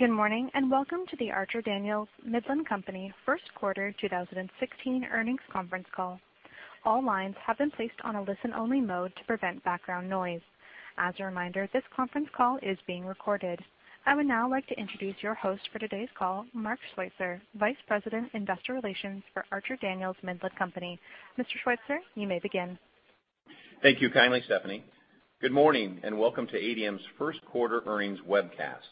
Good morning, welcome to the Archer Daniels Midland Company first quarter 2016 earnings conference call. All lines have been placed on a listen-only mode to prevent background noise. As a reminder, this conference call is being recorded. I would now like to introduce your host for today's call, Mark Schweitzer, Vice President, Investor Relations for Archer Daniels Midland Company. Mr. Schweitzer, you may begin. Thank you kindly, Stephanie. Good morning, welcome to ADM's first quarter earnings webcast.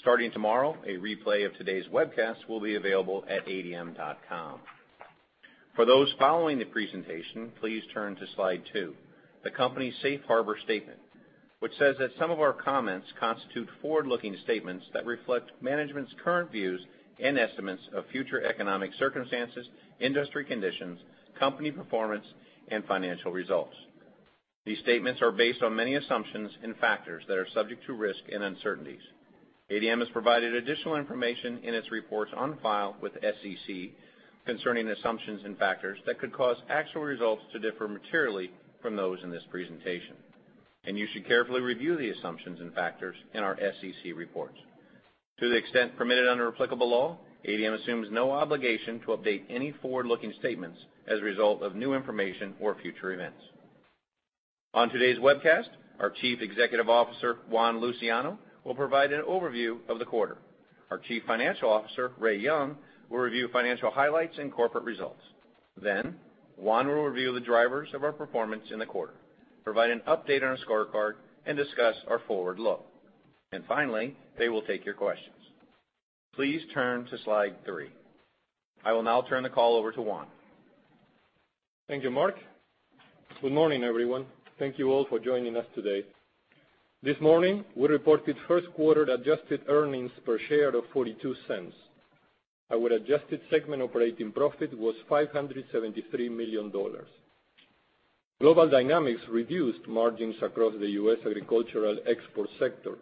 Starting tomorrow, a replay of today's webcast will be available at adm.com. For those following the presentation, please turn to Slide two, the company's safe harbor statement, which says that some of our comments constitute forward-looking statements that reflect management's current views and estimates of future economic circumstances, industry conditions, company performance, and financial results. These statements are based on many assumptions and factors that are subject to risk and uncertainties. ADM has provided additional information in its reports on file with the SEC concerning assumptions and factors that could cause actual results to differ materially from those in this presentation. You should carefully review the assumptions and factors in our SEC reports. To the extent permitted under applicable law, ADM assumes no obligation to update any forward-looking statements as a result of new information or future events. On today's webcast, our Chief Executive Officer, Juan Luciano, will provide an overview of the quarter. Our Chief Financial Officer, Ray Young, will review financial highlights and corporate results. Juan will review the drivers of our performance in the quarter, provide an update on our scorecard, discuss our forward look. Finally, they will take your questions. Please turn to Slide three. I will now turn the call over to Juan. Thank you, Mark. Good morning, everyone. Thank you all for joining us today. This morning, we reported first quarter adjusted earnings per share of $0.42, our adjusted segment operating profit was $573 million. Global dynamics reduced margins across the U.S. agricultural export sector,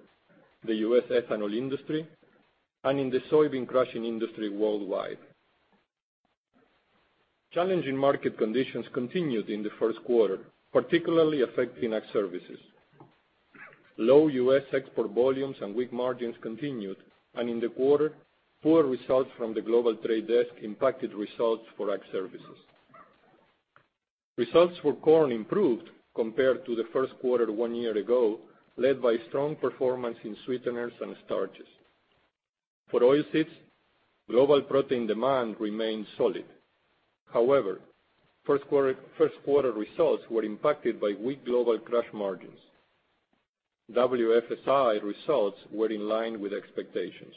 the U.S. ethanol industry, in the soybean crushing industry worldwide. Challenging market conditions continued in the first quarter, particularly affecting Ag Services. Low U.S. export volumes and weak margins continued, in the quarter, poor results from the global trade desk impacted results for Ag Services. Results for corn improved compared to the first quarter one year ago, led by strong performance in sweeteners and starches. For oilseeds, global protein demand remained solid. However, first quarter results were impacted by weak global crush margins. WFSI results were in line with expectations.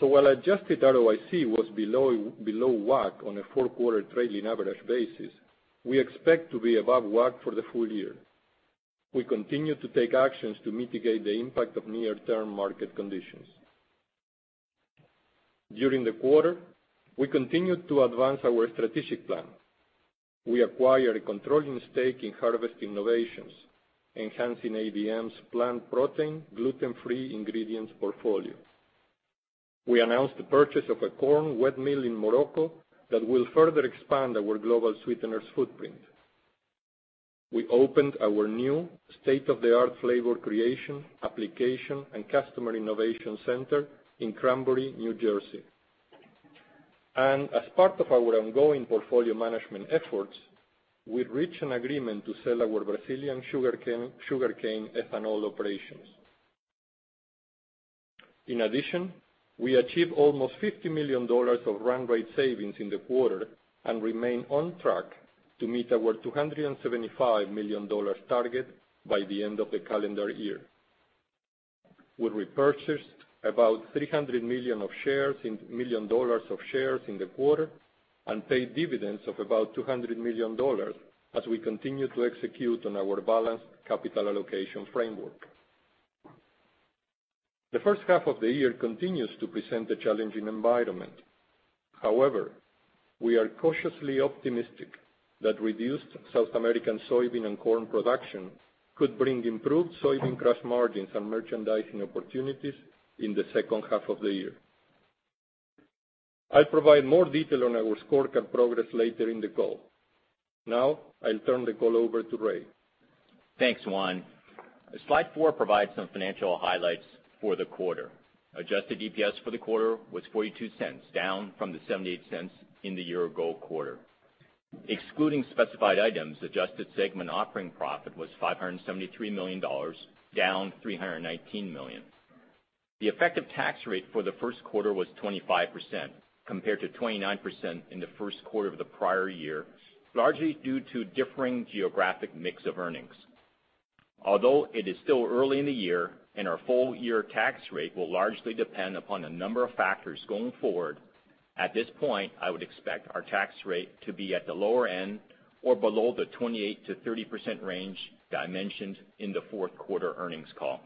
While adjusted ROIC was below WACC on a four-quarter trailing average basis, we expect to be above WACC for the full year. We continue to take actions to mitigate the impact of near-term market conditions. During the quarter, we continued to advance our strategic plan. We acquired a controlling stake in Harvest Innovations, enhancing ADM's plant protein gluten-free ingredients portfolio. We announced the purchase of a corn wet mill in Morocco that will further expand our global sweeteners footprint. We opened our new state-of-the-art flavor creation, application, and customer innovation center in Cranbury, New Jersey. As part of our ongoing portfolio management efforts, we reached an agreement to sell our Brazilian sugarcane ethanol operations. In addition, we achieved almost $50 million of run rate savings in the quarter and remain on track to meet our $275 million target by the end of the calendar year. We repurchased about $300 million of shares in the quarter and paid dividends of about $200 million as we continue to execute on our balanced capital allocation framework. The first half of the year continues to present a challenging environment. However, we are cautiously optimistic that reduced South American soybean and corn production could bring improved soybean crush margins and merchandising opportunities in the second half of the year. I will provide more detail on our scorecard progress later in the call. Now, I will turn the call over to Ray. Thanks, Juan. Slide four provides some financial highlights for the quarter. Adjusted EPS for the quarter was $0.42, down from the $0.78 in the year-ago quarter. Excluding specified items, adjusted segment operating profit was $573 million, down $319 million. The effective tax rate for the first quarter was 25%, compared to 29% in the first quarter of the prior year, largely due to differing geographic mix of earnings. Although it is still early in the year and our full year tax rate will largely depend upon a number of factors going forward, at this point, I would expect our tax rate to be at the lower end or below the 28%-30% range that I mentioned in the fourth quarter earnings call.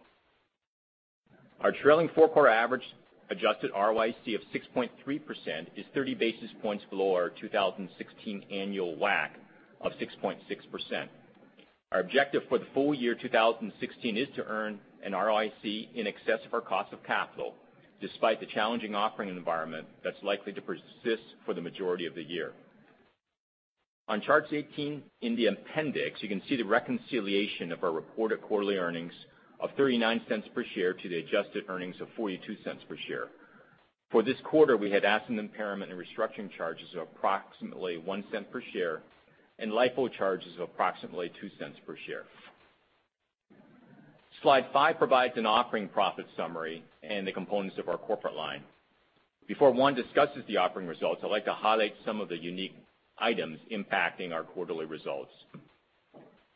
Our trailing four-quarter average adjusted ROIC of 6.3% is 30 basis points below our 2016 annual WACC of 6.6%. Our objective for the full year 2016 is to earn an ROIC in excess of our cost of capital, despite the challenging operating environment that's likely to persist for the majority of the year. On charts 18 in the appendix, you can see the reconciliation of our reported quarterly earnings of $0.39 per share to the adjusted earnings of $0.42 per share. For this quarter, we had asset impairment and restructuring charges of approximately $0.01 per share and LIFO charge is approximately $0.02 per share. Slide five provides an operating profit summary and the components of our corporate line. Before Juan discusses the operating results, I'd like to highlight some of the unique items impacting our quarterly results.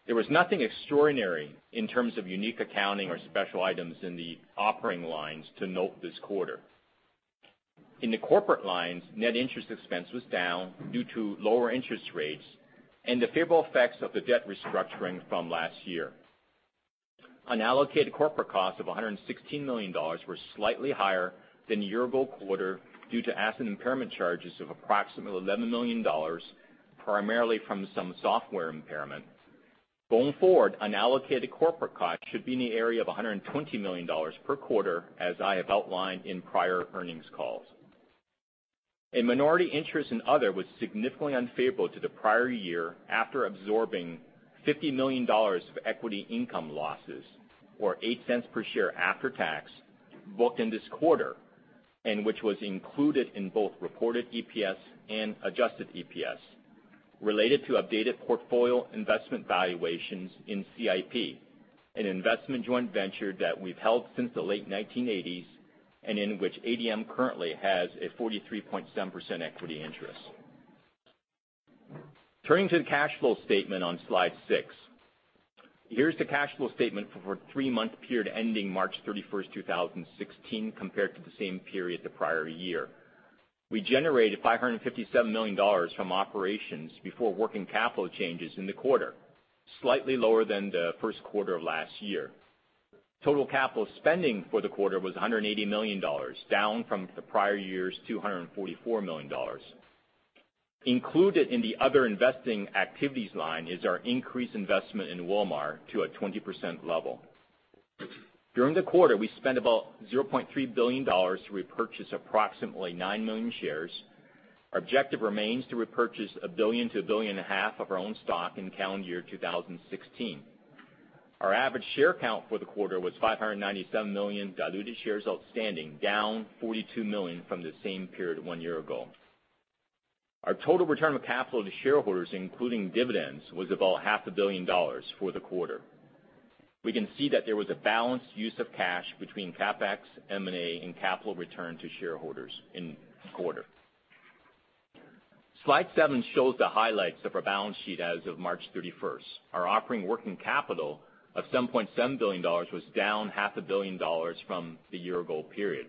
There was nothing extraordinary in terms of unique accounting or special items in the operating lines to note this quarter. In the corporate lines, net interest expense was down due to lower interest rates and the favorable effects of the debt restructuring from last year. Unallocated corporate costs of $116 million were slightly higher than the year-ago quarter due to asset impairment charges of approximately $11 million, primarily from some software impairment. Going forward, unallocated corporate costs should be in the area of $120 million per quarter, as I have outlined in prior earnings calls. A minority interest in other was significantly unfavorable to the prior year after absorbing $50 million of equity income losses, or $0.08 per share after tax, booked in this quarter, and which was included in both reported EPS and adjusted EPS, related to updated portfolio investment valuations in CIP, an investment joint venture that we've held since the late 1980s, and in which ADM currently has a 43.7% equity interest. Turning to the cash flow statement on slide six. Here's the cash flow statement for the three-month period ending March 31, 2016, compared to the same period the prior year. We generated $557 million from operations before working capital changes in the quarter, slightly lower than the first quarter of last year. Total capital spending for the quarter was $180 million, down from the prior year's $244 million. Included in the other investing activities line is our increased investment in Wilmar to a 20% level. During the quarter, we spent about $0.3 billion to repurchase approximately 9 million shares. Our objective remains to repurchase $1 billion to $1.5 billion of our own stock in calendar year 2016. Our average share count for the quarter was 597 million diluted shares outstanding, down 42 million from the same period one year ago. Our total return of capital to shareholders, including dividends, was about half a billion dollars for the quarter. We can see that there was a balanced use of cash between CapEx, M&A, and capital return to shareholders in the quarter. Slide seven shows the highlights of our balance sheet as of March 31. Our operating working capital of $7.7 billion was down half a billion dollars from the year-ago period.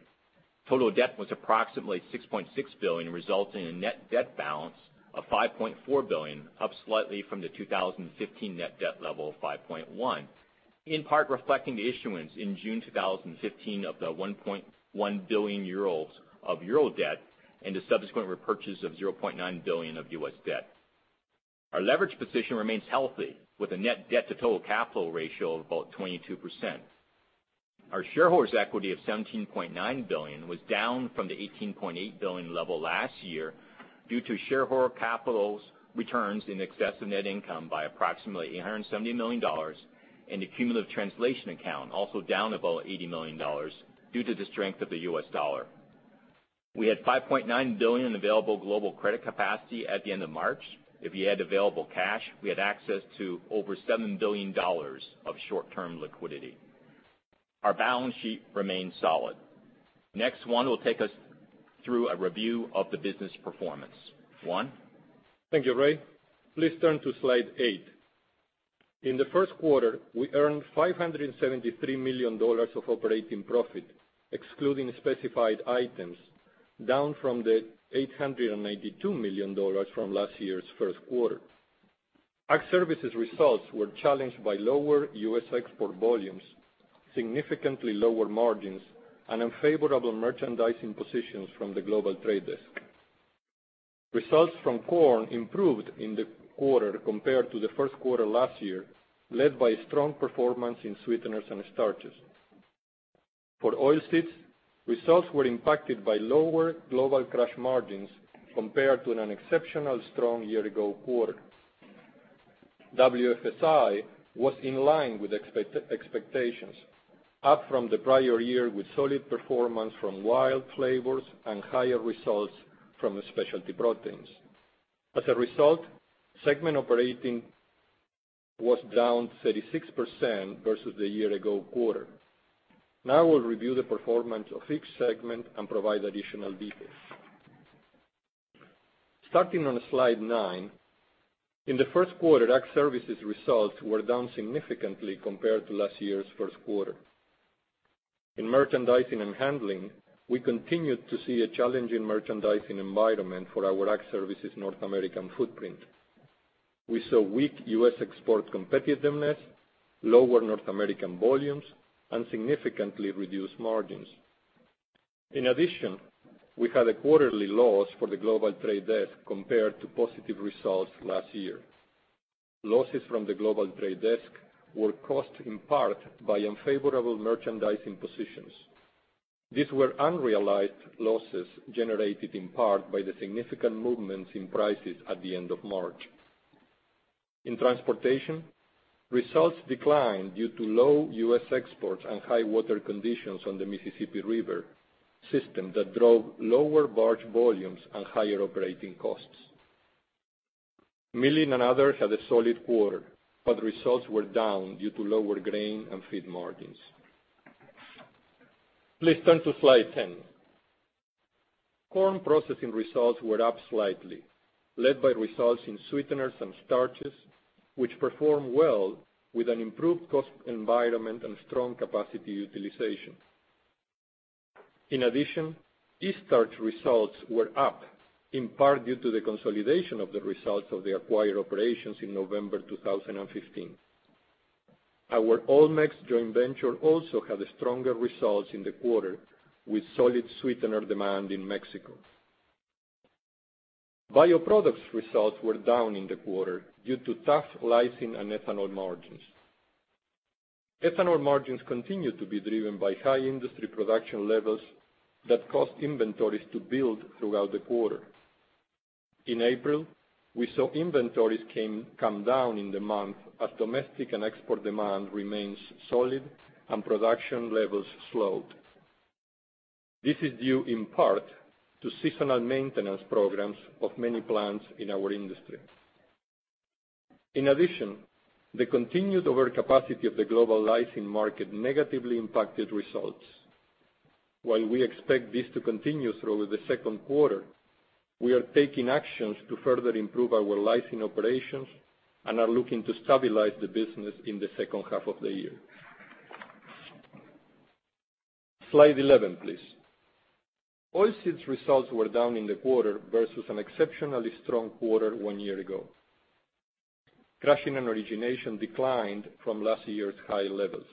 Total debt was approximately $6.6 billion, resulting in a net debt balance of $5.4 billion, up slightly from the 2015 net debt level of $5.1 billion, in part reflecting the issuance in June 2015 of the 1.1 billion of euro debt and the subsequent repurchase of $0.9 billion of U.S. debt. Our leverage position remains healthy, with a net debt to total capital ratio of about 22%. Our shareholders' equity of $17.9 billion was down from the $18.8 billion level last year due to shareholder capital's returns in excess of net income by approximately $870 million and cumulative translation account also down about $80 million due to the strength of the U.S. dollar. We had $5.9 billion available global credit capacity at the end of March. If you add available cash, we had access to over $7 billion of short-term liquidity. Our balance sheet remains solid. Next, Juan will take us through a review of the business performance. Juan? Thank you, Ray. Please turn to slide eight. In the first quarter, we earned $573 million of operating profit, excluding specified items, down from the $892 million from last year's first quarter. Ag Services results were challenged by lower U.S. export volumes, significantly lower margins, and unfavorable merchandising positions from the global trade desk. Results from Corn improved in the quarter compared to the first quarter last year, led by strong performance in sweeteners and starches. For Oilseeds, results were impacted by lower global crush margins compared to an exceptionally strong year-ago quarter. WFSI was in line with expectations, up from the prior year with solid performance from WILD Flavors and higher results from specialty proteins. As a result, segment operating was down 36% versus the year-ago quarter. Now we'll review the performance of each segment and provide additional details. Starting on slide nine, in the first quarter, Ag Services results were down significantly compared to last year's first quarter. In merchandising and handling, we continued to see a challenging merchandising environment for our Ag Services North American footprint. We saw weak U.S. export competitiveness, lower North American volumes, and significantly reduced margins. In addition, we had a quarterly loss for the global trade desk compared to positive results last year. Losses from the global trade desk were caused in part by unfavorable merchandising positions. These were unrealized losses generated in part by the significant movements in prices at the end of March. In transportation, results declined due to low U.S. exports and high water conditions on the Mississippi River system that drove lower barge volumes and higher operating costs. Milling and others had a solid quarter, but results were down due to lower grain and feed margins. Please turn to slide 10. Corn processing results were up slightly, led by results in sweeteners and starches, which performed well with an improved cost environment and strong capacity utilization. In addition, Eaststarch results were up, in part due to the consolidation of the results of the acquired operations in November 2015. Our Almex joint venture also had stronger results in the quarter, with solid sweetener demand in Mexico. Bioproducts results were down in the quarter due to tough lysine and ethanol margins. Ethanol margins continue to be driven by high industry production levels that caused inventories to build throughout the quarter. In April, we saw inventories come down in the month as domestic and export demand remains solid and production levels slowed. This is due in part to seasonal maintenance programs of many plants in our industry. In addition, the continued overcapacity of the global lysine market negatively impacted results. While we expect this to continue through the second quarter, we are taking actions to further improve our lysine operations and are looking to stabilize the business in the second half of the year. Slide 11, please. Oilseeds results were down in the quarter versus an exceptionally strong quarter one year ago. Crushing and origination declined from last year's high levels.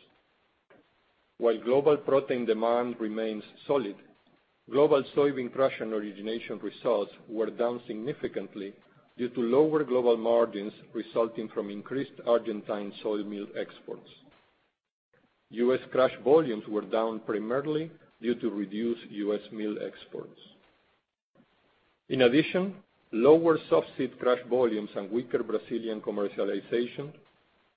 While global protein demand remains solid, global soybean crush and origination results were down significantly due to lower global margins resulting from increased Argentine soy meal exports. U.S. crush volumes were down primarily due to reduced U.S. meal exports. In addition, lower softseed crush volumes and weaker Brazilian commercialization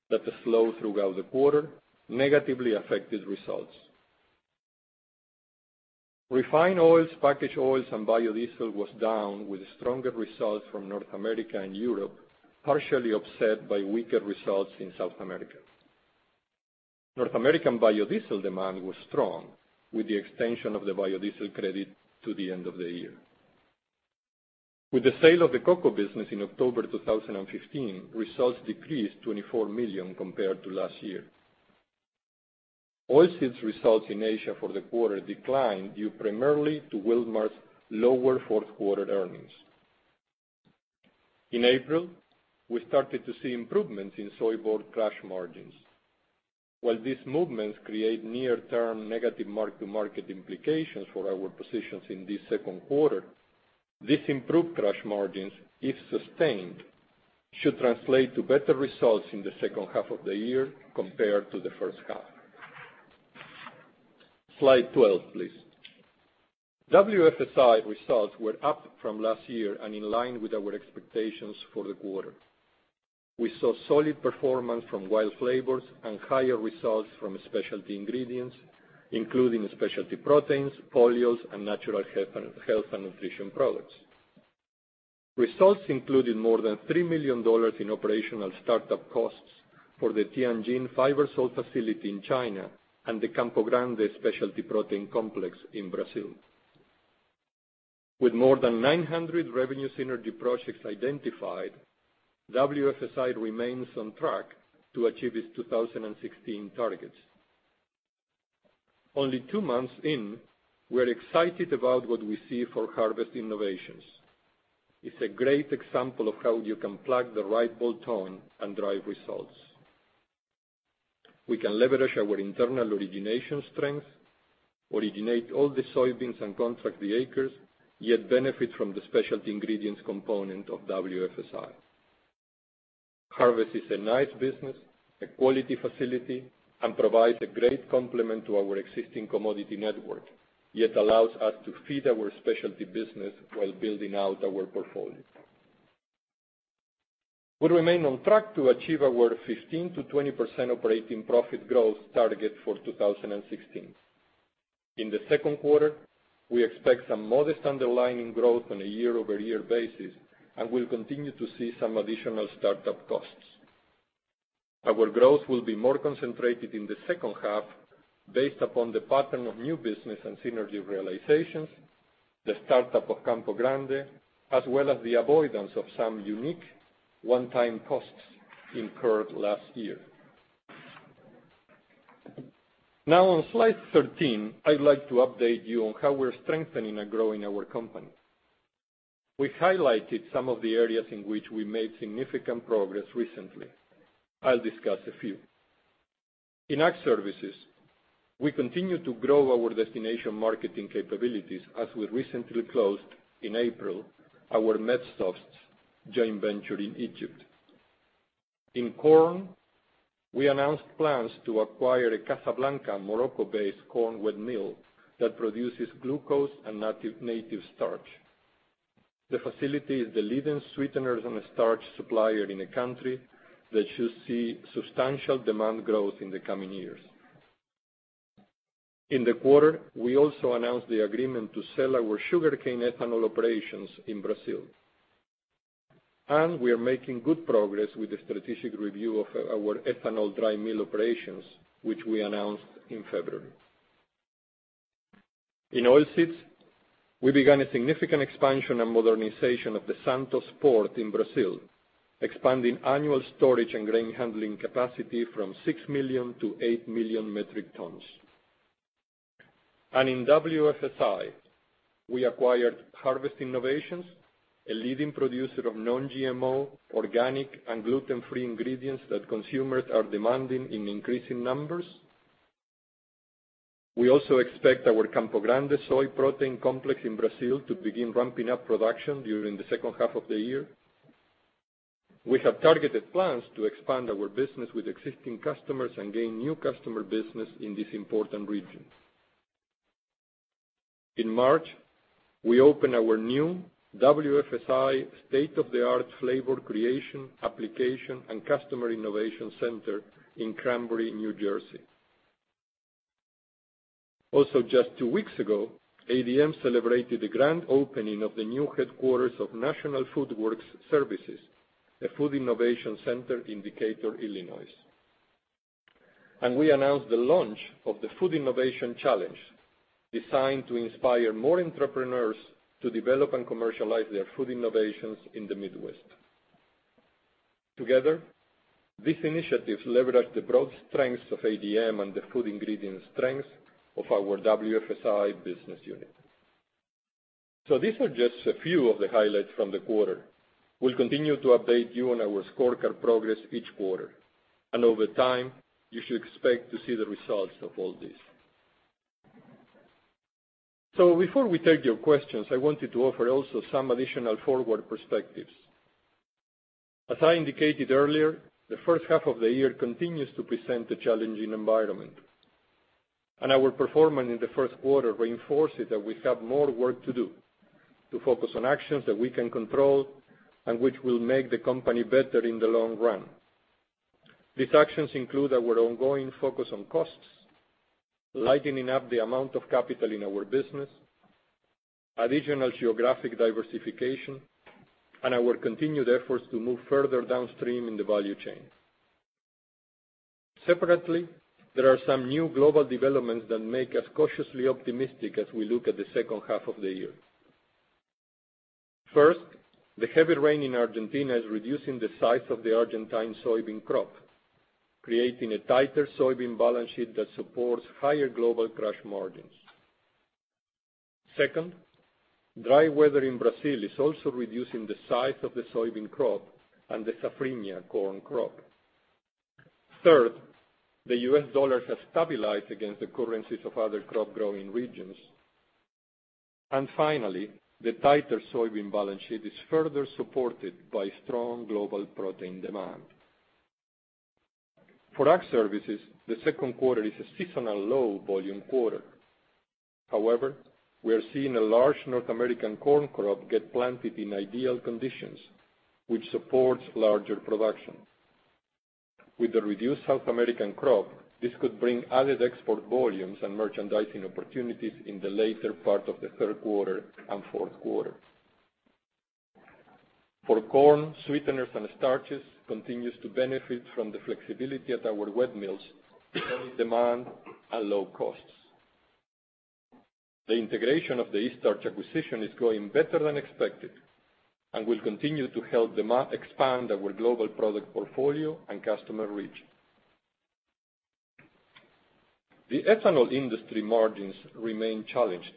that slowed throughout the quarter negatively affected results. Refined oils, packaged oils, and biodiesel was down with stronger results from North America and Europe, partially offset by weaker results in South America. North American biodiesel demand was strong with the extension of the biodiesel credit to the end of the year. With the sale of the cocoa business in October 2015, results decreased $24 million compared to last year. Oilseeds results in Asia for the quarter declined due primarily to Wilmar's lower fourth-quarter earnings. In April, we started to see improvements in soybean board crush margins. While these movements create near-term negative mark-to-market implications for our positions in the second quarter, these improved crush margins, if sustained, should translate to better results in the second half of the year compared to the first half. Slide 12, please. WFSI results were up from last year and in line with our expectations for the quarter. We saw solid performance from WILD Flavors and higher results from specialty ingredients, including specialty proteins, polyols, and natural health and nutrition products. Results included more than $3 million in operational startup costs for the Tianjin Fibersol facility in China and the Campo Grande specialty protein complex in Brazil. With more than 900 revenue synergy projects identified, WFSI remains on track to achieve its 2016 targets. Only two months in, we're excited about what we see for Harvest Innovations. It's a great example of how you can plug the right bolt-on and drive results. We can leverage our internal origination strengths, originate all the soybeans, and contract the acres, yet benefit from the specialty ingredients component of WFSI. Harvest is a nice business, a quality facility, and provides a great complement to our existing commodity network, yet allows us to feed our specialty business while building out our portfolio. We remain on track to achieve our 15%-20% operating profit growth target for 2016. In the second quarter, we expect some modest underlying growth on a year-over-year basis and will continue to see some additional startup costs. Our growth will be more concentrated in the second half based upon the pattern of new business and synergy realizations, the startup of Campo Grande, as well as the avoidance of some unique one-time costs incurred last year. On slide 13, I'd like to update you on how we're strengthening and growing our company. We highlighted some of the areas in which we made significant progress recently. I'll discuss a few. In Ag Services, we continue to grow our destination marketing capabilities as we recently closed in April, our Medsofts joint venture in Egypt. In corn, we announced plans to acquire a Casablanca Morocco-based corn wet mill that produces glucose and native starch. The facility is the leading sweeteners and starch supplier in the country, that should see substantial demand growth in the coming years. In the quarter, we also announced the agreement to sell our sugarcane ethanol operations in Brazil. We are making good progress with the strategic review of our ethanol dry mill operations, which we announced in February. In oilseeds, we began a significant expansion and modernization of the Santos port in Brazil, expanding annual storage and grain handling capacity from 6 million to 8 million metric tons. In WFSI, we acquired Harvest Innovations, a leading producer of non-GMO, organic, and gluten-free ingredients that consumers are demanding in increasing numbers. We also expect our Campo Grande soy protein complex in Brazil to begin ramping up production during the second half of the year. We have targeted plans to expand our business with existing customers and gain new customer business in this important region. In March, we opened our new WFSI state-of-the-art flavor creation, application, and customer innovation center in Cranbury, New Jersey. Just two weeks ago, ADM celebrated the grand opening of the new headquarters of National Foodworks Services, a food innovation center in Decatur, Illinois. We announced the launch of the Food Innovation Challenge, designed to inspire more entrepreneurs to develop and commercialize their food innovations in the Midwest. Together, these initiatives leverage the broad strengths of ADM and the food ingredient strengths of our WFSI business unit. These are just a few of the highlights from the quarter. We'll continue to update you on our scorecard progress each quarter, and over time, you should expect to see the results of all this. Before we take your questions, I wanted to offer also some additional forward perspectives. As I indicated earlier, the first half of the year continues to present a challenging environment. Our performance in the first quarter reinforces that we have more work to do to focus on actions that we can control and which will make the company better in the long run. These actions include our ongoing focus on costs, lightening up the amount of capital in our business, additional geographic diversification, and our continued efforts to move further downstream in the value chain. Separately, there are some new global developments that make us cautiously optimistic as we look at the second half of the year. First, the heavy rain in Argentina is reducing the size of the Argentine soybean crop, creating a tighter soybean balance sheet that supports higher global crush margins. Second, dry weather in Brazil is also reducing the size of the soybean crop and the safrinha corn crop. Third, the U.S. dollar has stabilized against the currencies of other crop-growing regions. Finally, the tighter soybean balance sheet is further supported by strong global protein demand. For Ag Services, the second quarter is a seasonal low-volume quarter. However, we are seeing a large North American corn crop get planted in ideal conditions, which supports larger production. With the reduced South American crop, this could bring added export volumes and merchandising opportunities in the later part of the third quarter and fourth quarter. For corn, sweeteners and starches continues to benefit from the flexibility at our wet mills, demand, and low costs. The integration of the Eaststarch acquisition is going better than expected and will continue to help expand our global product portfolio and customer reach. The ethanol industry margins remain challenged,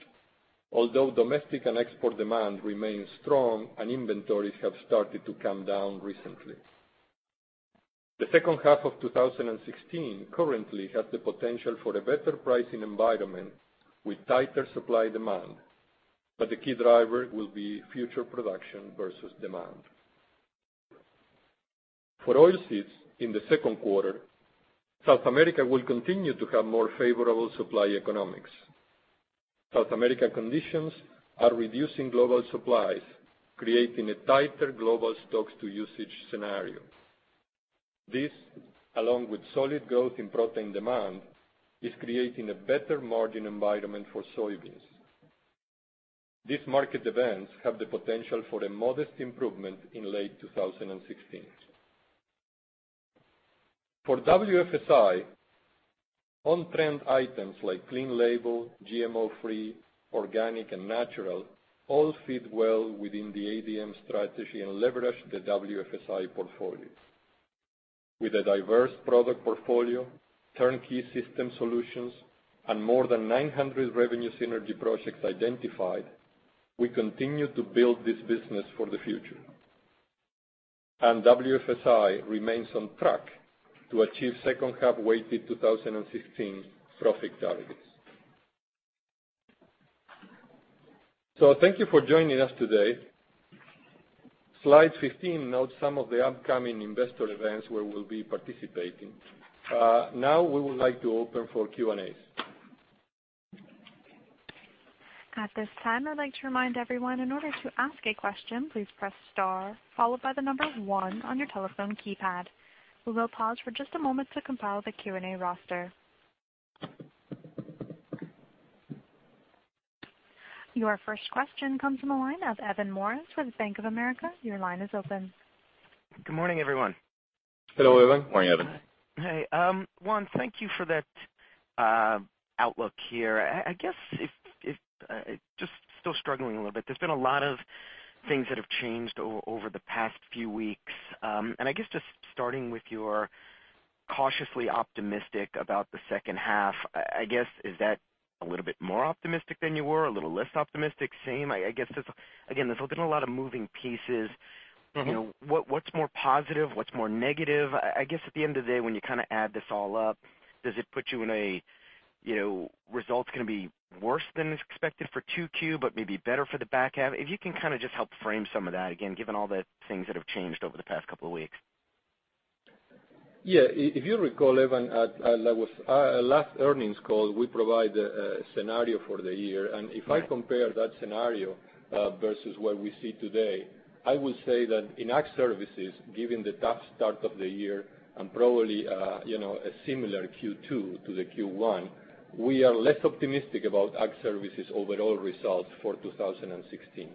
although domestic and export demand remains strong and inventories have started to come down recently. The second half of 2016 currently has the potential for a better pricing environment with tighter supply-demand, but the key driver will be future production versus demand. For oilseeds in the second quarter, South America will continue to have more favorable supply economics. South American conditions are reducing global supplies, creating a tighter global stocks-to-usage scenario. This, along with solid growth in protein demand, is creating a better margin environment for soybeans. These market events have the potential for a modest improvement in late 2016. For WFSI, on-trend items like clean label, GMO-free, organic, and natural all fit well within the ADM strategy and leverage the WFSI portfolio. With a diverse product portfolio, turnkey system solutions, and more than 900 revenue synergy projects identified, we continue to build this business for the future. WFSI remains on track to achieve second half weighted 2016 profit targets. Thank you for joining us today. Slide 15 notes some of the upcoming investor events where we'll be participating. We would like to open for Q&As. At this time, I'd like to remind everyone, in order to ask a question, please press star followed by the number 1 on your telephone keypad. We will pause for just a moment to compile the Q&A roster. Your first question comes from the line of Evan Morris with Bank of America. Your line is open. Good morning, everyone. Hello, Evan. Morning, Evan. Hey. Juan, thank you for that outlook here. I guess, just still struggling a little bit. There's been a lot of things that have changed over the past few weeks. I guess just starting with your cautiously optimistic about the second half, I guess, is that a little bit more optimistic than you were, a little less optimistic, the same? I guess, again, there's been a lot of moving pieces. What's more positive, what's more negative? I guess at the end of the day, when you add this all up, does it put you in a result's going to be worse than expected for 2Q, but maybe better for the back half? If you can kind of just help frame some of that again, given all the things that have changed over the past couple of weeks. Yeah. If you recall, Evan, at our last earnings call, we provide a scenario for the year. If I compare that scenario versus what we see today, I would say that in Ag Services, given the tough start of the year and probably a similar Q2 to the Q1, we are less optimistic about Ag Services' overall results for 2016.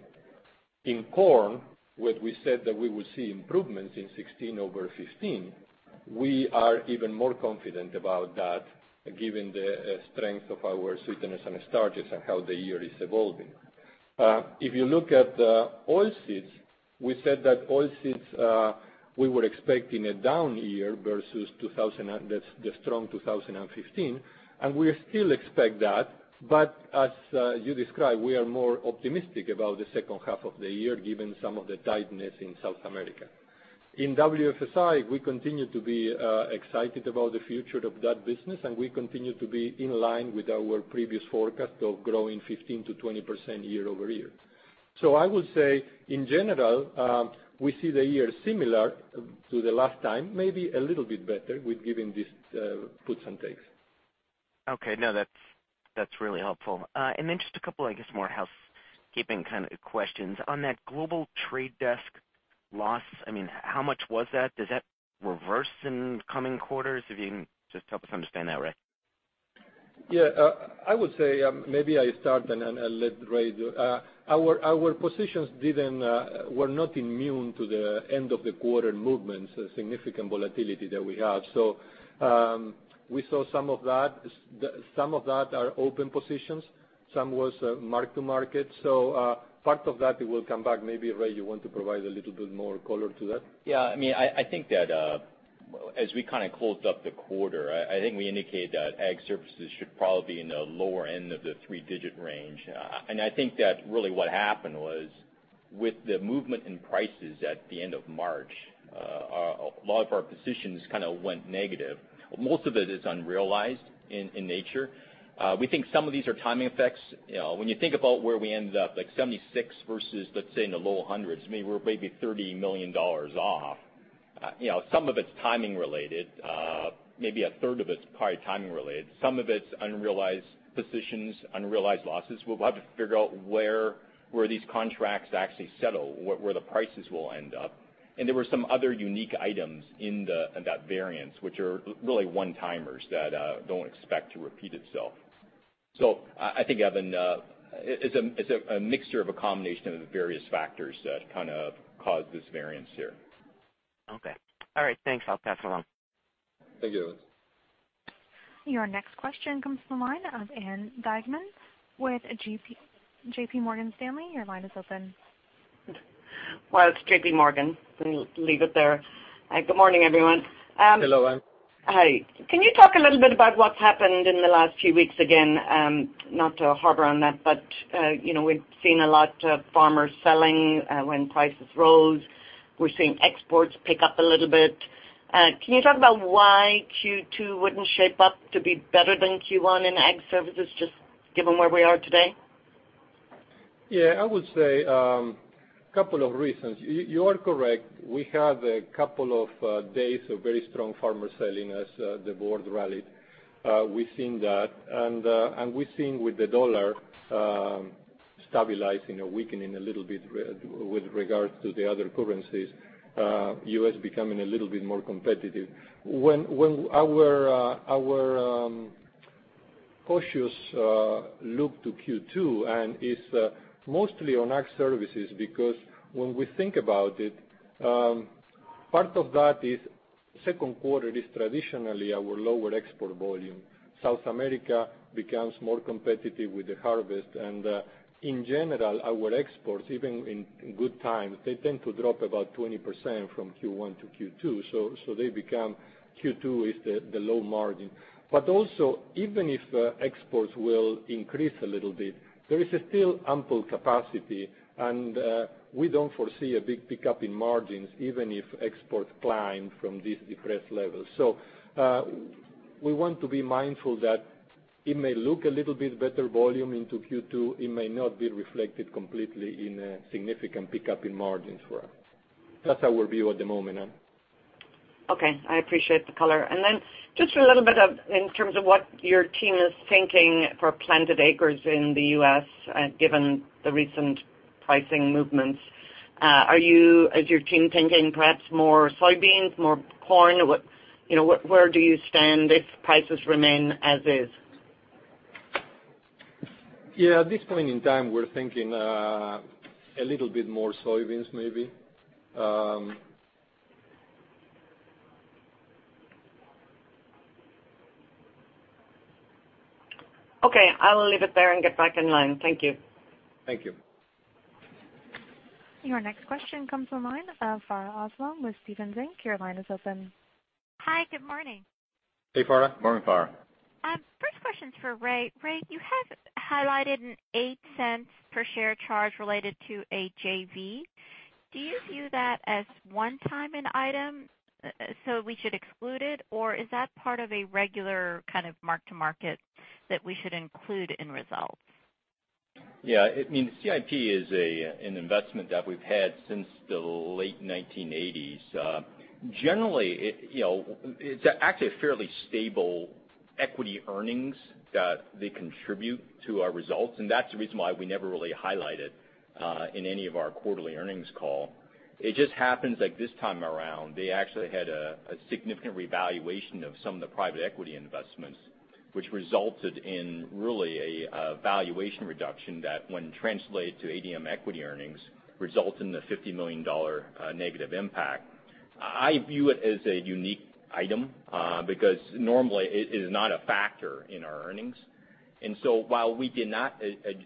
In corn, what we said that we would see improvements in 2016 over 2015, we are even more confident about that given the strength of our sweeteners and starches and how the year is evolving. If you look at oilseeds, we said that oilseeds, we were expecting a down year versus the strong 2015, and we still expect that. As you described, we are more optimistic about the second half of the year, given some of the tightness in South America. In WFSI, we continue to be excited about the future of that business, and we continue to be in line with our previous forecast of growing 15%-20% year-over-year. I would say, in general, we see the year similar to the last time, maybe a little bit better with giving these puts and takes. Okay. No, that's really helpful. Then just a couple, I guess, more housekeeping kind of questions. On that global trade desk loss, how much was that? Does that reverse in coming quarters? If you can just help us understand that, Ray. Yeah. I would say, maybe I start and let Ray do. Our positions were not immune to the end of the quarter movements, the significant volatility that we have. We saw some of that are open positions. Some was mark-to-market. Part of that will come back. Maybe, Ray, you want to provide a little bit more color to that? Yeah. I think that as we kind of closed up the quarter, I think we indicated that Ag Services should probably in the lower end of the three-digit range. I think that really what happened was, with the movement in prices at the end of March, a lot of our positions kind of went negative. Most of it is unrealized in nature. We think some of these are timing effects. When you think about where we ended up, like 76 versus, let's say, in the low hundreds, maybe we're maybe $30 million off. Some of it's timing related. Maybe a third of it's probably timing related. Some of it's unrealized positions, unrealized losses. We'll have to figure out where these contracts actually settle, where the prices will end up. There were some other unique items in that variance, which are really one-timers that don't expect to repeat itself. I think, Evan, it's a mixture of a combination of the various factors that kind of caused this variance here. Okay. All right, thanks. I'll pass along. Thank you. Your next question comes from the line of Ann Duignan with JPMorgan. Your line is open. Well, it's JPMorgan. We'll leave it there. Good morning, everyone. Hello, Ann. Hi. Can you talk a little bit about what's happened in the last few weeks again? Not to harbor on that, but we've seen a lot of farmers selling when prices rose. We're seeing exports pick up a little bit. Can you talk about why Q2 wouldn't shape up to be better than Q1 in Ag Services, just given where we are today? Yeah, I would say, couple of reasons. You are correct. We have a couple of days of very strong farmer selling as the board rallied. We've seen that, and we've seen with the dollar stabilizing or weakening a little bit with regards to the other currencies, U.S. becoming a little bit more competitive. When our cautious look to Q2, and it's mostly on Ag Services because when we think about it, part of that is second quarter is traditionally our lower export volume. South America becomes more competitive with the harvest. In general, our exports, even in good times, they tend to drop about 20% from Q1 to Q2. They become Q2 is the low margin. Also, even if exports will increase a little bit, there is still ample capacity, and we don't foresee a big pickup in margins even if exports climb from these depressed levels. So, w- We want to be mindful that it may look a little bit better volume into Q2. It may not be reflected completely in a significant pickup in margins for us. That's our view at the moment. Okay. I appreciate the color. Just a little bit in terms of what your team is thinking for planted acres in the U.S., given the recent pricing movements. Is your team thinking perhaps more soybeans, more corn? Where do you stand if prices remain as is? Yeah. At this point in time, we're thinking a little bit more soybeans maybe. Okay. I will leave it there and get back in line. Thank you. Thank you. Your next question comes from the line of Farha Aslam with Stephens Inc. Your line is open. Hi, good morning. Hey, Farha. Morning, Farha. First question's for Ray. Ray, you have highlighted an $0.08 per share charge related to a JV. Do you view that as one-time item, or is that part of a regular kind of mark-to-market that we should include in results? Yeah. CIP is an investment that we've had since the late 1980s. Generally, it's actually a fairly stable equity earnings that they contribute to our results, and that's the reason why we never really highlight it in any of our quarterly earnings call. It just happens like this time around, they actually had a significant revaluation of some of the private equity investments, which resulted in really a valuation reduction that when translated to ADM equity earnings, result in the $50 million negative impact. I view it as a unique item, because normally it is not a factor in our earnings. While we did not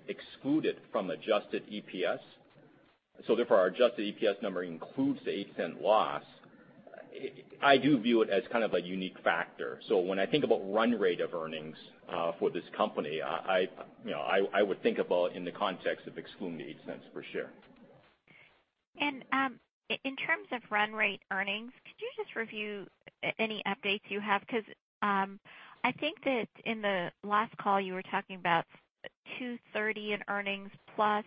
exclude it from adjusted EPS, therefore our adjusted EPS number includes the $0.08 loss, I do view it as kind of a unique factor. When I think about run rate of earnings for this company, I would think about in the context of excluding the $0.08 per share. In terms of run rate earnings, could you just review any updates you have? Because I think that in the last call you were talking about $2.30 in earnings plus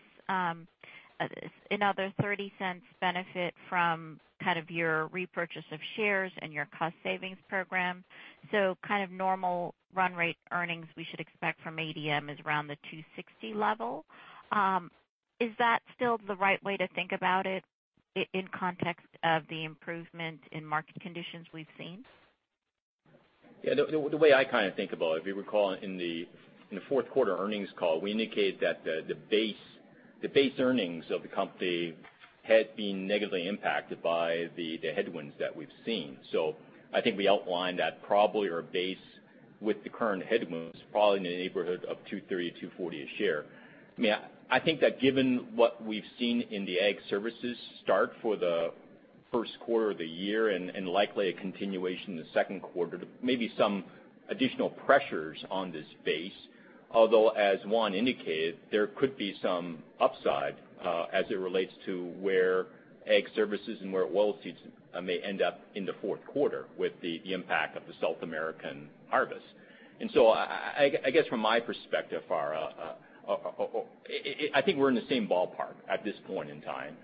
another $0.30 benefit from your repurchase of shares and your cost savings program. Normal run rate earnings we should expect from ADM is around the $2.60 level. Is that still the right way to think about it in context of the improvement in market conditions we've seen? Yeah. The way I think about it, if you recall in the fourth quarter earnings call, we indicated that the base earnings of the company had been negatively impacted by the headwinds that we've seen. I think we outlined that probably our base with the current headwinds, probably in the neighborhood of $2.30 to $2.40 a share. I think that given what we've seen in the Ag Services start for the first quarter of the year and likely a continuation in the second quarter, maybe some additional pressures on this base. Although, as Juan indicated, there could be some upside, as it relates to where Ag Services and where oilseeds may end up in the fourth quarter with the impact of the South American harvest. I guess from my perspective, Farha, I think we're in the same ballpark at this point in time.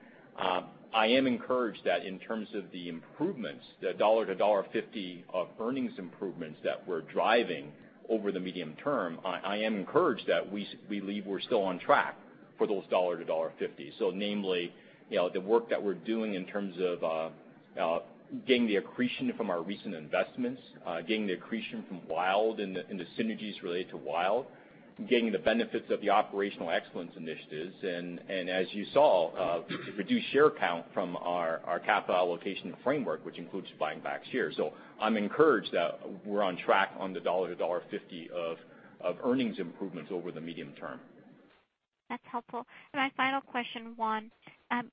I am encouraged that in terms of the improvements, the $1 to $1.50 of earnings improvements that we're driving over the medium term, I am encouraged that we believe we're still on track for those $1 to $1.50. Namely, the work that we're doing in terms of getting the accretion from our recent investments, getting the accretion from WILD and the synergies related to WILD, getting the benefits of the operational excellence initiatives and, as you saw, reduced share count from our capital allocation framework, which includes buying back shares. I'm encouraged that we're on track on the $1 to $1.50 of earnings improvements over the medium term. That's helpful. My final question, Juan.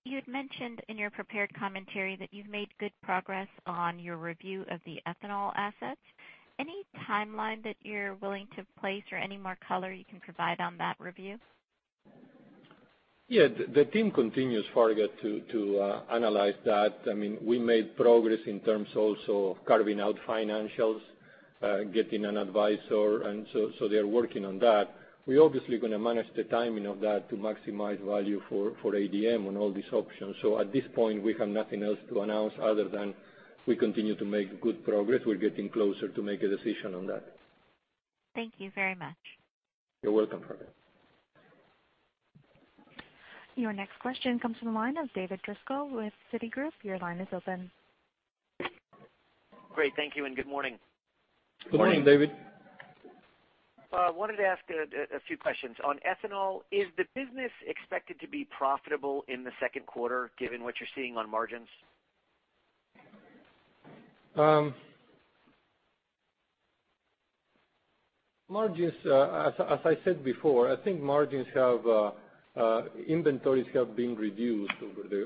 You had mentioned in your prepared commentary that you've made good progress on your review of the ethanol assets. Any timeline that you're willing to place or any more color you can provide on that review? Yeah. The team continues, Farha, to analyze that. We made progress in terms also of carving out financials, getting an advisor, they're working on that. We're obviously going to manage the timing of that to maximize value for ADM on all these options. At this point, we have nothing else to announce other than we continue to make good progress. We're getting closer to make a decision on that. Thank you very much. You're welcome, Farha. Your next question comes from the line of David Driscoll with Citigroup. Your line is open. Great. Thank you and good morning. Good morning, David. I wanted to ask a few questions. On ethanol, is the business expected to be profitable in the second quarter given what you're seeing on margins? Margins, as I said before, I think inventories have been reduced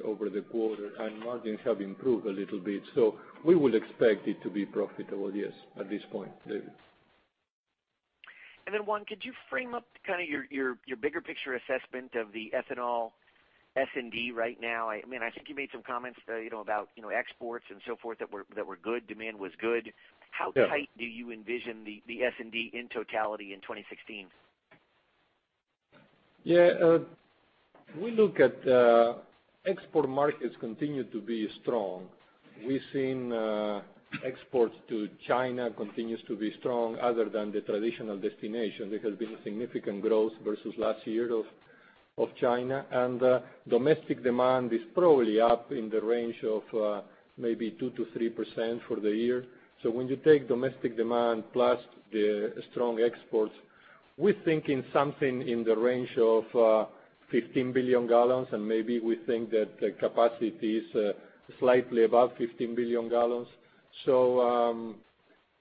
over the quarter and margins have improved a little bit. We would expect it to be profitable, yes, at this point, David. Juan, could you frame up your bigger picture assessment of the ethanol S&D right now? I think you made some comments about exports and so forth that were good, demand was good. Yeah. How tight do you envision the S&D in totality in 2016? Export markets continue to be strong. We've seen exports to China continues to be strong other than the traditional destination. There has been a significant growth versus last year of China, domestic demand is probably up in the range of maybe 2% to 3% for the year. When you take domestic demand plus the strong exports, we're thinking something in the range of 15 billion gallons, maybe we think that the capacity is slightly above 15 billion gallons.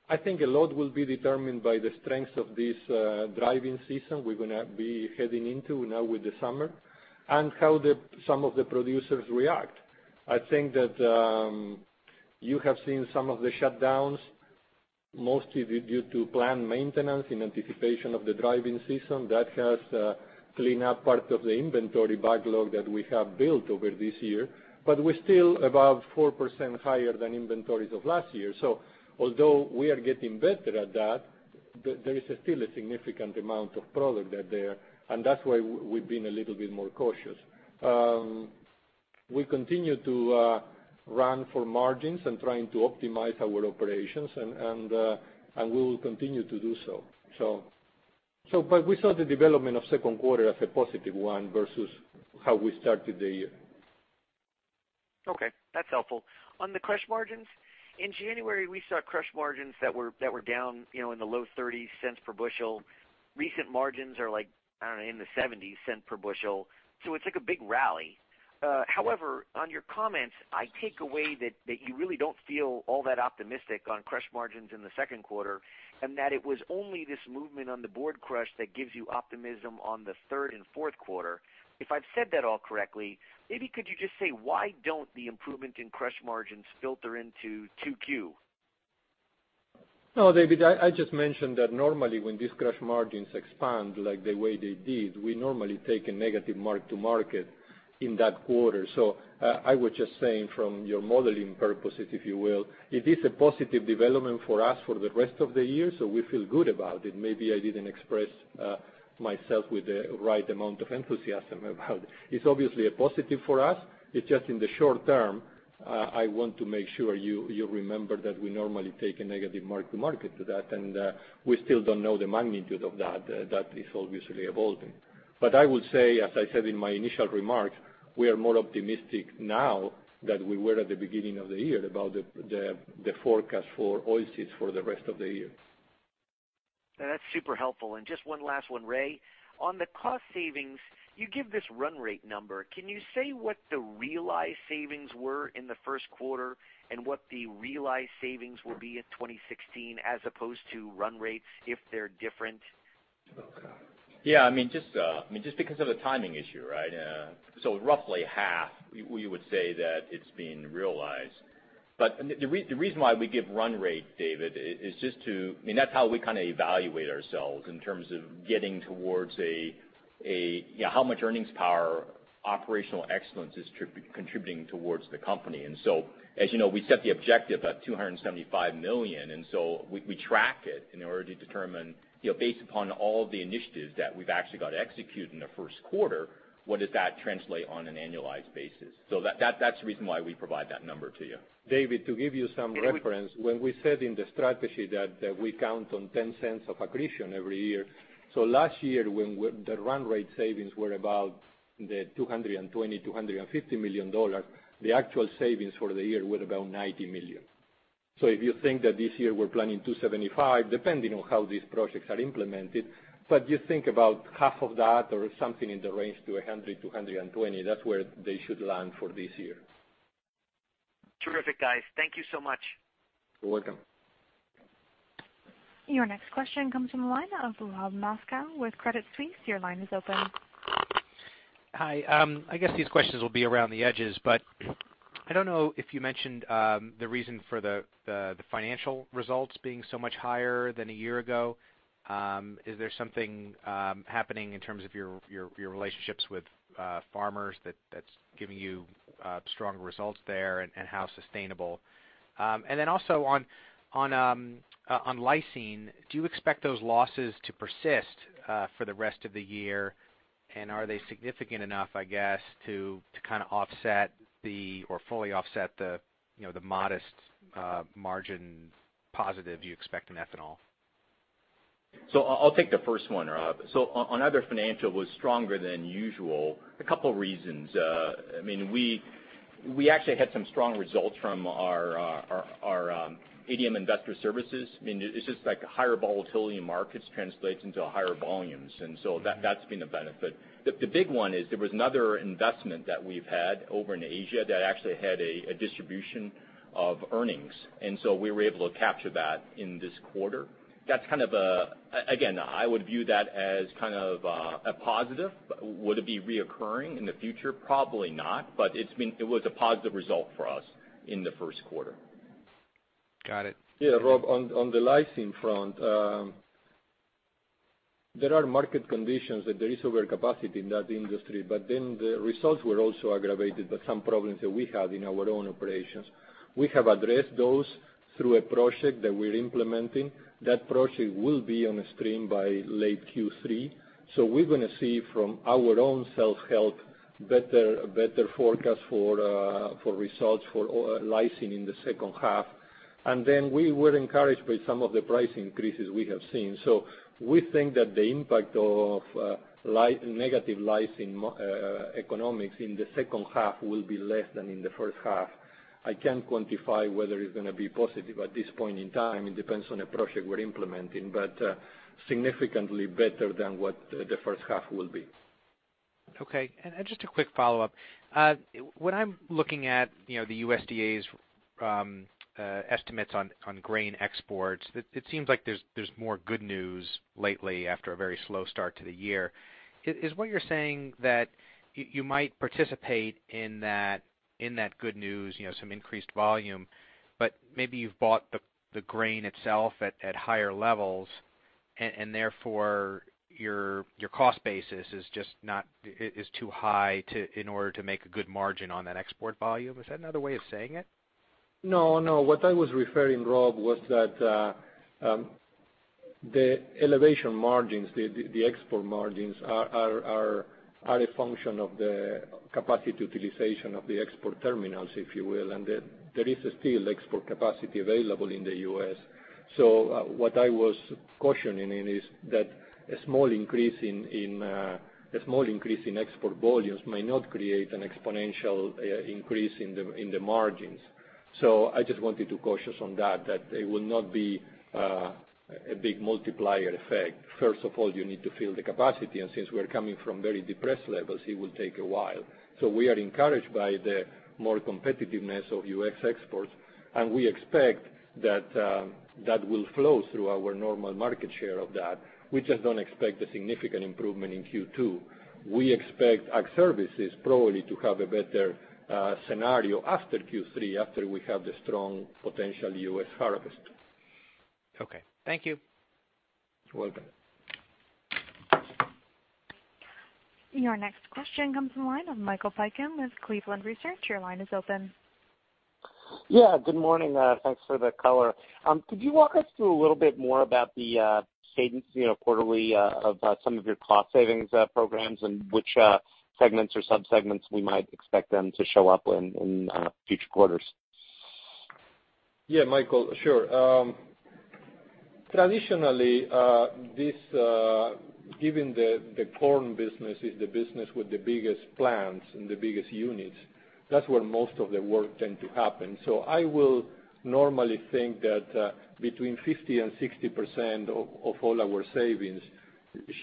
I think a lot will be determined by the strength of this driving season we're going to be heading into now with the summer and how some of the producers react. I think that you have seen some of the shutdowns, mostly due to planned maintenance in anticipation of the driving season. That has cleaned up part of the inventory backlog that we have built over this year. We're still about 4% higher than inventories of last year. Although we are getting better at that, there is still a significant amount of product there, that's why we've been a little bit more cautious. We continue to run for margins and trying to optimize our operations, and we will continue to do so. We saw the development of second quarter as a positive one versus how we started the year. That's helpful. On the crush margins, in January, we saw crush margins that were down in the low $0.30 per bushel. Recent margins are like, I don't know, in the $0.70 per bushel, so it's like a big rally. On your comments, I take away that you really don't feel all that optimistic on crush margins in the second quarter, and that it was only this movement on the board crush that gives you optimism on the third and fourth quarter. If I've said that all correctly, maybe could you just say, why don't the improvement in crush margins filter into 2Q? No, David, I just mentioned that normally when these crush margins expand like the way they did, we normally take a negative mark-to-market in that quarter. I was just saying from your modeling purposes, if you will, it is a positive development for us for the rest of the year, so we feel good about it. Maybe I didn't express myself with the right amount of enthusiasm about it. It's obviously a positive for us. It's just in the short term, I want to make sure you remember that we normally take a negative mark-to-market to that, and we still don't know the magnitude of that. That is obviously evolving. I would say, as I said in my initial remarks, we are more optimistic now than we were at the beginning of the year about the forecast for oil seeds for the rest of the year. That's super helpful. Just one last one, Ray. On the cost savings, you give this run rate number. Can you say what the realized savings were in the first quarter and what the realized savings will be at 2016 as opposed to run rates, if they're different? Oh, God. Yeah, just because of the timing issue, right? Roughly half, we would say that it's being realized. The reason why we give run rate, David, that's how we evaluate ourselves in terms of getting towards how much earnings power operational excellence is contributing towards the company. As you know, we set the objective at $275 million, and we track it in order to determine based upon all the initiatives that we've actually got executed in the first quarter, what does that translate on an annualized basis? That's the reason why we provide that number to you. David, to give you some reference, when we said in the strategy that we count on $0.10 of accretion every year. Last year, when the run rate savings were about the $220 million-$250 million, the actual savings for the year were about $90 million. If you think that this year we're planning $275, depending on how these projects are implemented, but just think about half of that or something in the range to $100-$220. That's where they should land for this year. Terrific, guys. Thank you so much. You're welcome. Your next question comes from the line of Rob Moskow with Credit Suisse. Your line is open. Hi. I guess these questions will be around the edges, I don't know if you mentioned the reason for the financial results being so much higher than a year ago. Is there something happening in terms of your relationships with farmers that's giving you stronger results there, and how sustainable? Also on lysine, do you expect those losses to persist for the rest of the year, and are they significant enough, I guess, to kind of fully offset the modest margin positive you expect in ethanol? I'll take the first one, Rob. On other financial was stronger than usual, a couple of reasons. We actually had some strong results from our ADM Investor Services. It's just like higher volatility in markets translates into higher volumes, and so that's been a benefit. The big one is there was another investment that we've had over in Asia that actually had a distribution of earnings, and so we were able to capture that in this quarter. Again, I would view that as kind of a positive. Would it be reoccurring in the future? Probably not, but it was a positive result for us in the first quarter. Got it. Rob, on the lysine front, there are market conditions that there is overcapacity in that industry. The results were also aggravated by some problems that we had in our own operations. We have addressed those through a project that we're implementing. That project will be on stream by late Q3. We're going to see from our own self-help, a better forecast for results for lysine in the second half. We were encouraged by some of the price increases we have seen. We think that the impact of negative lysine economics in the second half will be less than in the first half. I can't quantify whether it's going to be positive at this point in time. It depends on the project we're implementing, but significantly better than what the first half will be. Okay. Just a quick follow-up. When I'm looking at the USDA's estimates on grain exports, it seems like there's more good news lately after a very slow start to the year. Is what you're saying that you might participate in that good news, some increased volume, but maybe you've bought the grain itself at higher levels and therefore your cost basis is too high in order to make a good margin on that export volume? Is that another way of saying it? No, what I was referring, Rob, was that the elevation margins, the export margins are a function of the capacity utilization of the export terminals, if you will. There is still export capacity available in the U.S. What I was cautioning in is that a small increase in export volumes may not create an exponential increase in the margins. I just wanted to caution on that it will not be a big multiplier effect. First of all, you need to fill the capacity, and since we're coming from very depressed levels, it will take a while. We are encouraged by the more competitiveness of U.S. exports, and we expect that that will flow through our normal market share of that. We just don't expect a significant improvement in Q2. We expect Ag Services probably to have a better scenario after Q3, after we have the strong potential U.S. harvest. Okay. Thank you. You're welcome. Your next question comes from the line of Michael Piken with Cleveland Research. Your line is open. Yeah, good morning. Thanks for the color. Could you walk us through a little bit more about the cadence quarterly of some of your cost savings programs and which segments or subsegments we might expect them to show up in future quarters? Yeah, Michael. Sure. Traditionally, given the corn business is the business with the biggest plants and the biggest units, that's where most of the work tend to happen. I will normally think that between 50% and 60% of all our savings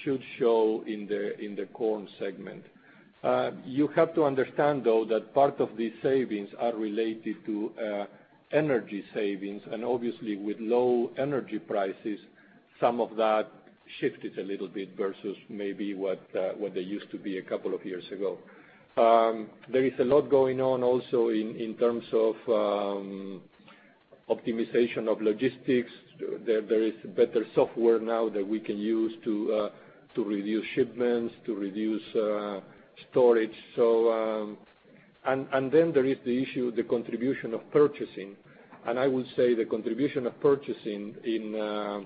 should show in the corn segment. You have to understand, though, that part of these savings are related to energy savings. Obviously with low energy prices, some of that shifted a little bit versus maybe what they used to be a couple of years ago. There is a lot going on also in terms of optimization of logistics. There is better software now that we can use to reduce shipments, to reduce storage. Then there is the issue of the contribution of purchasing. I would say the contribution of purchasing in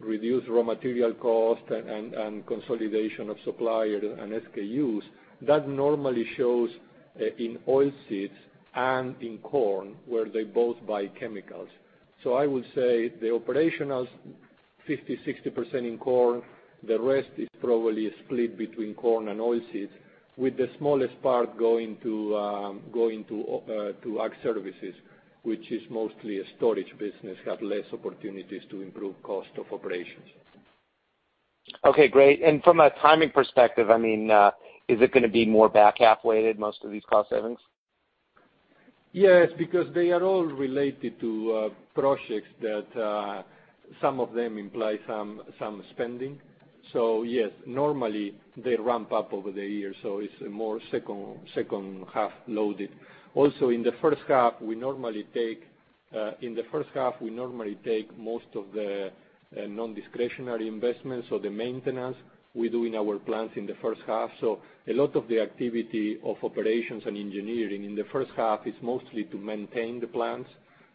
reduced raw material cost and consolidation of supplier and SKUs, that normally shows in Oilseeds and in corn, where they both buy chemicals. I would say the operational 50%-60% in corn, the rest is probably split between corn and Oilseeds, with the smallest part going to Ag Services, which is mostly a storage business, have less opportunities to improve cost of operations. Okay, great. From a timing perspective, is it going to be more back half-weighted, most of these cost savings? Yes, because they are all related to projects that some of them imply some spending. Yes, normally they ramp up over the year, so it's more second half loaded. Also, in the first half, we normally take most of the non-discretionary investments or the maintenance we do in our plants in the first half. A lot of the activity of operations and engineering in the first half is mostly to maintain the plants.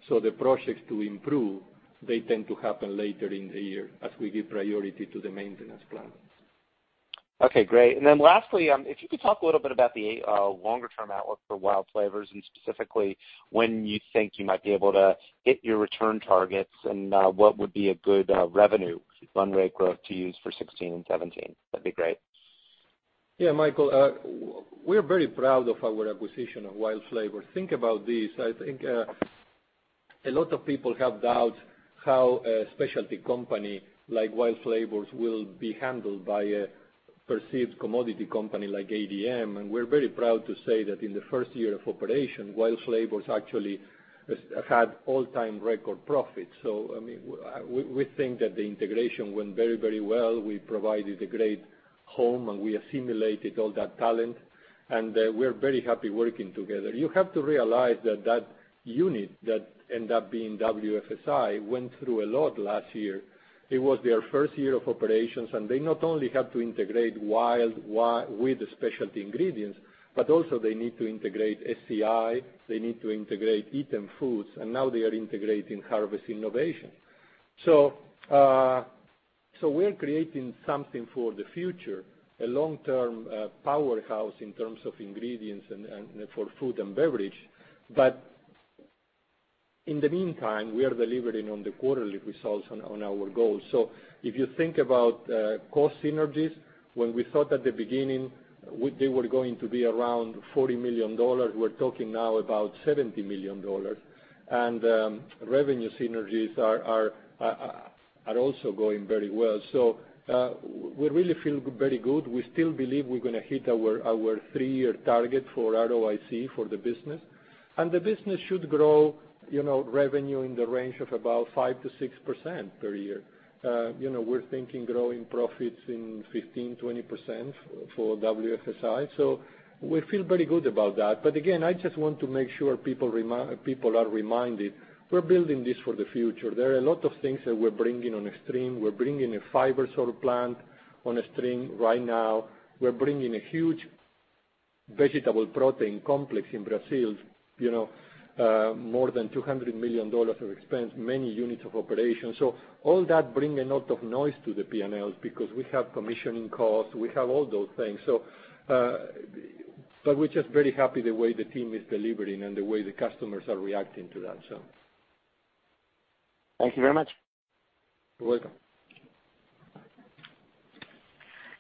The projects to improve, they tend to happen later in the year as we give priority to the maintenance plans. Okay, great. Lastly, if you could talk a little bit about the longer-term outlook for WILD Flavors, and specifically when you think you might be able to hit your return targets and what would be a good revenue run rate growth to use for 2016 and 2017. That'd be great. Yeah, Michael, we're very proud of our acquisition of WILD Flavors. Think about this. I think a lot of people have doubts how a specialty company like WILD Flavors will be handled by a perceived commodity company like ADM. We're very proud to say that in the first year of operation, WILD Flavors actually have had all-time record profits. We think that the integration went very well. We provided a great Home, and we assimilated all that talent, and we're very happy working together. You have to realize that that unit that end up being WFSI went through a lot last year. It was their first year of operations, and they not only have to integrate WILD with the specialty ingredients, but also they need to integrate SCI, they need to integrate Eatem Foods Company, and now they are integrating Harvest Innovations. We're creating something for the future, a long-term powerhouse in terms of ingredients and for food and beverage. In the meantime, we are delivering on the quarterly results on our goals. If you think about cost synergies, when we thought at the beginning they were going to be around $40 million, we're talking now about $70 million, and revenue synergies are also going very well. We really feel very good. We still believe we're going to hit our 3-year target for ROIC for the business. The business should grow revenue in the range of about 5%-6% per year. We're thinking growing profits in 15%-20% for WFSI. We feel very good about that. Again, I just want to make sure people are reminded, we're building this for the future. There are a lot of things that we're bringing on a stream. We're bringing a Fibersol plant on a stream right now. We're bringing a huge vegetable protein complex in Brazil, more than $200 million of expense, many units of operations. All that bring a lot of noise to the P&L because we have commissioning costs, we have all those things. We're just very happy the way the team is delivering and the way the customers are reacting to that. Thank you very much. You're welcome.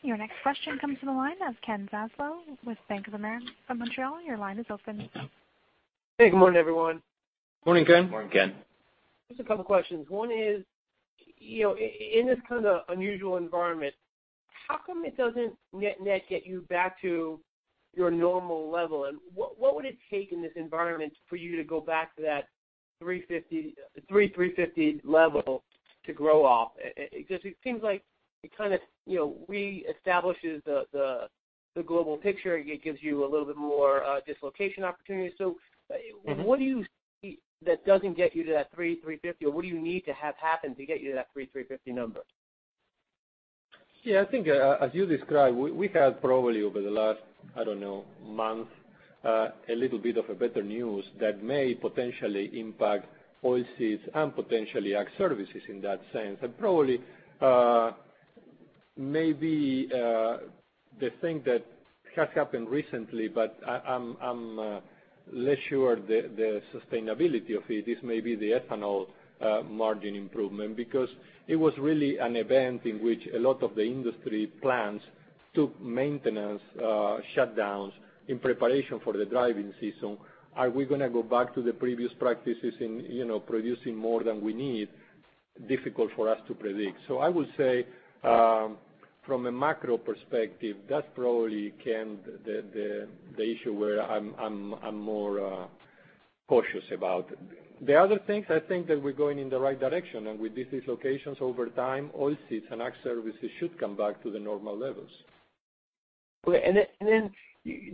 Your next question comes from the line of Ken Zaslow with Bank of Montreal. Your line is open. Thank you. Hey, good morning, everyone. Morning, Ken. Morning, Ken. Just a couple of questions. One is, in this kind of unusual environment, how come it doesn't net-net get you back to your normal level? What would it take in this environment for you to go back to that 300, 350 level to grow off? It seems like it kind of reestablishes the global picture. It gives you a little bit more dislocation opportunity. What do you see that doesn't get you to that 300, 350, or what do you need to have happen to get you to that 300, 350 number? Yeah, I think, as you described, we had probably over the last, I don't know, month, a little bit of a better news that may potentially impact oil seeds and potentially Ag Services in that sense. Probably, maybe the thing that has happened recently, but I'm less sure the sustainability of it, is maybe the ethanol margin improvement because it was really an event in which a lot of the industry plants took maintenance shutdowns in preparation for the driving season. Are we going to go back to the previous practices in producing more than we need? Difficult for us to predict. I would say from a macro perspective, that's probably, Ken, the issue where I'm more cautious about. The other things, I think that we're going in the right direction. With these dislocations over time, oil seeds and Ag Services should come back to the normal levels. Okay.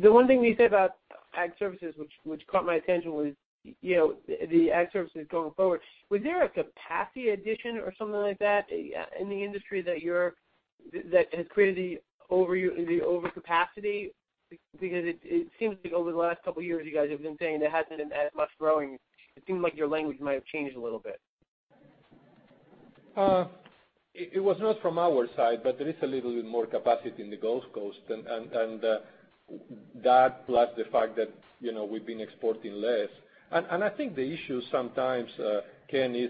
The one thing you said about Ag Services, which caught my attention, was the Ag Services going forward. Was there a capacity addition or something like that in the industry that has created the overcapacity? Because it seems like over the last couple of years, you guys have been saying there hasn't been as much growing. It seems like your language might have changed a little bit. It was not from our side, there is a little bit more capacity in the Gulf Coast, that plus the fact that we've been exporting less. I think the issue sometimes, Ken, is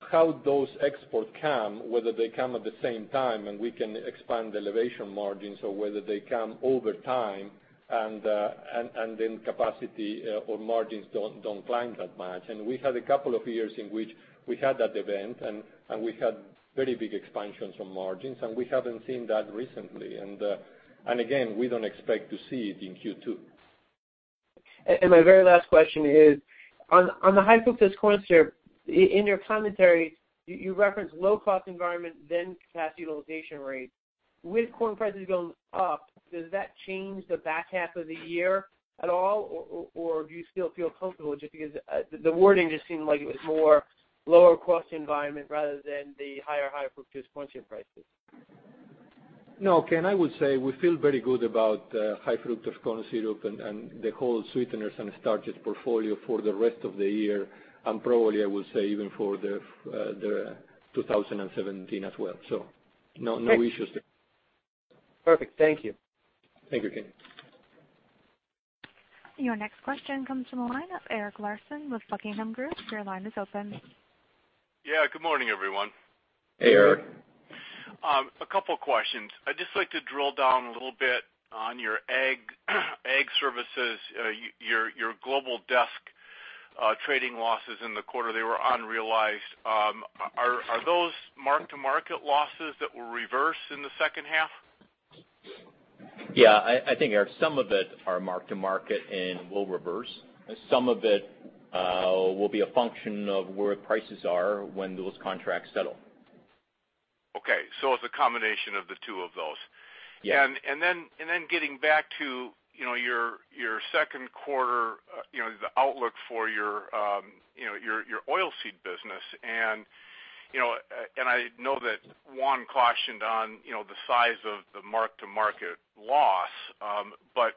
how those exports come, whether they come at the same time we can expand elevation margins or whether they come over time then capacity or margins don't climb that much. We had a couple of years in which we had that event, we had very big expansions on margins, we haven't seen that recently. Again, we don't expect to see it in Q2. My very last question is, on the high fructose corn syrup, in your commentary, you reference low-cost environment, capacity utilization rate. With corn prices going up, does that change the back half of the year at all, or do you still feel comfortable just because the wording just seemed like it was more lower-cost environment rather than the higher high fructose corn syrup prices? No, Ken, I would say we feel very good about high fructose corn syrup and the whole sweeteners and starches portfolio for the rest of the year and probably I would say even for 2017 as well. No issues there. Perfect. Thank you. Thank you, Ken. Your next question comes from the line of Eric Larson with Buckingham Research Group. Your line is open. Yeah, good morning, everyone. Hey, Eric. A couple questions. I'd just like to drill down a little bit on your Ag Services, your global desk trading losses in the quarter. They were unrealized. Are those mark-to-market losses that will reverse in the second half? Yeah, I think, Eric, some of it are mark-to-market and will reverse. Some of it will be a function of where prices are when those contracts settle. Okay. It's a combination of the two of those. Yeah. Getting back to your second quarter, the outlook for your oilseed business. I know that Juan cautioned on the size of the mark-to-market loss. As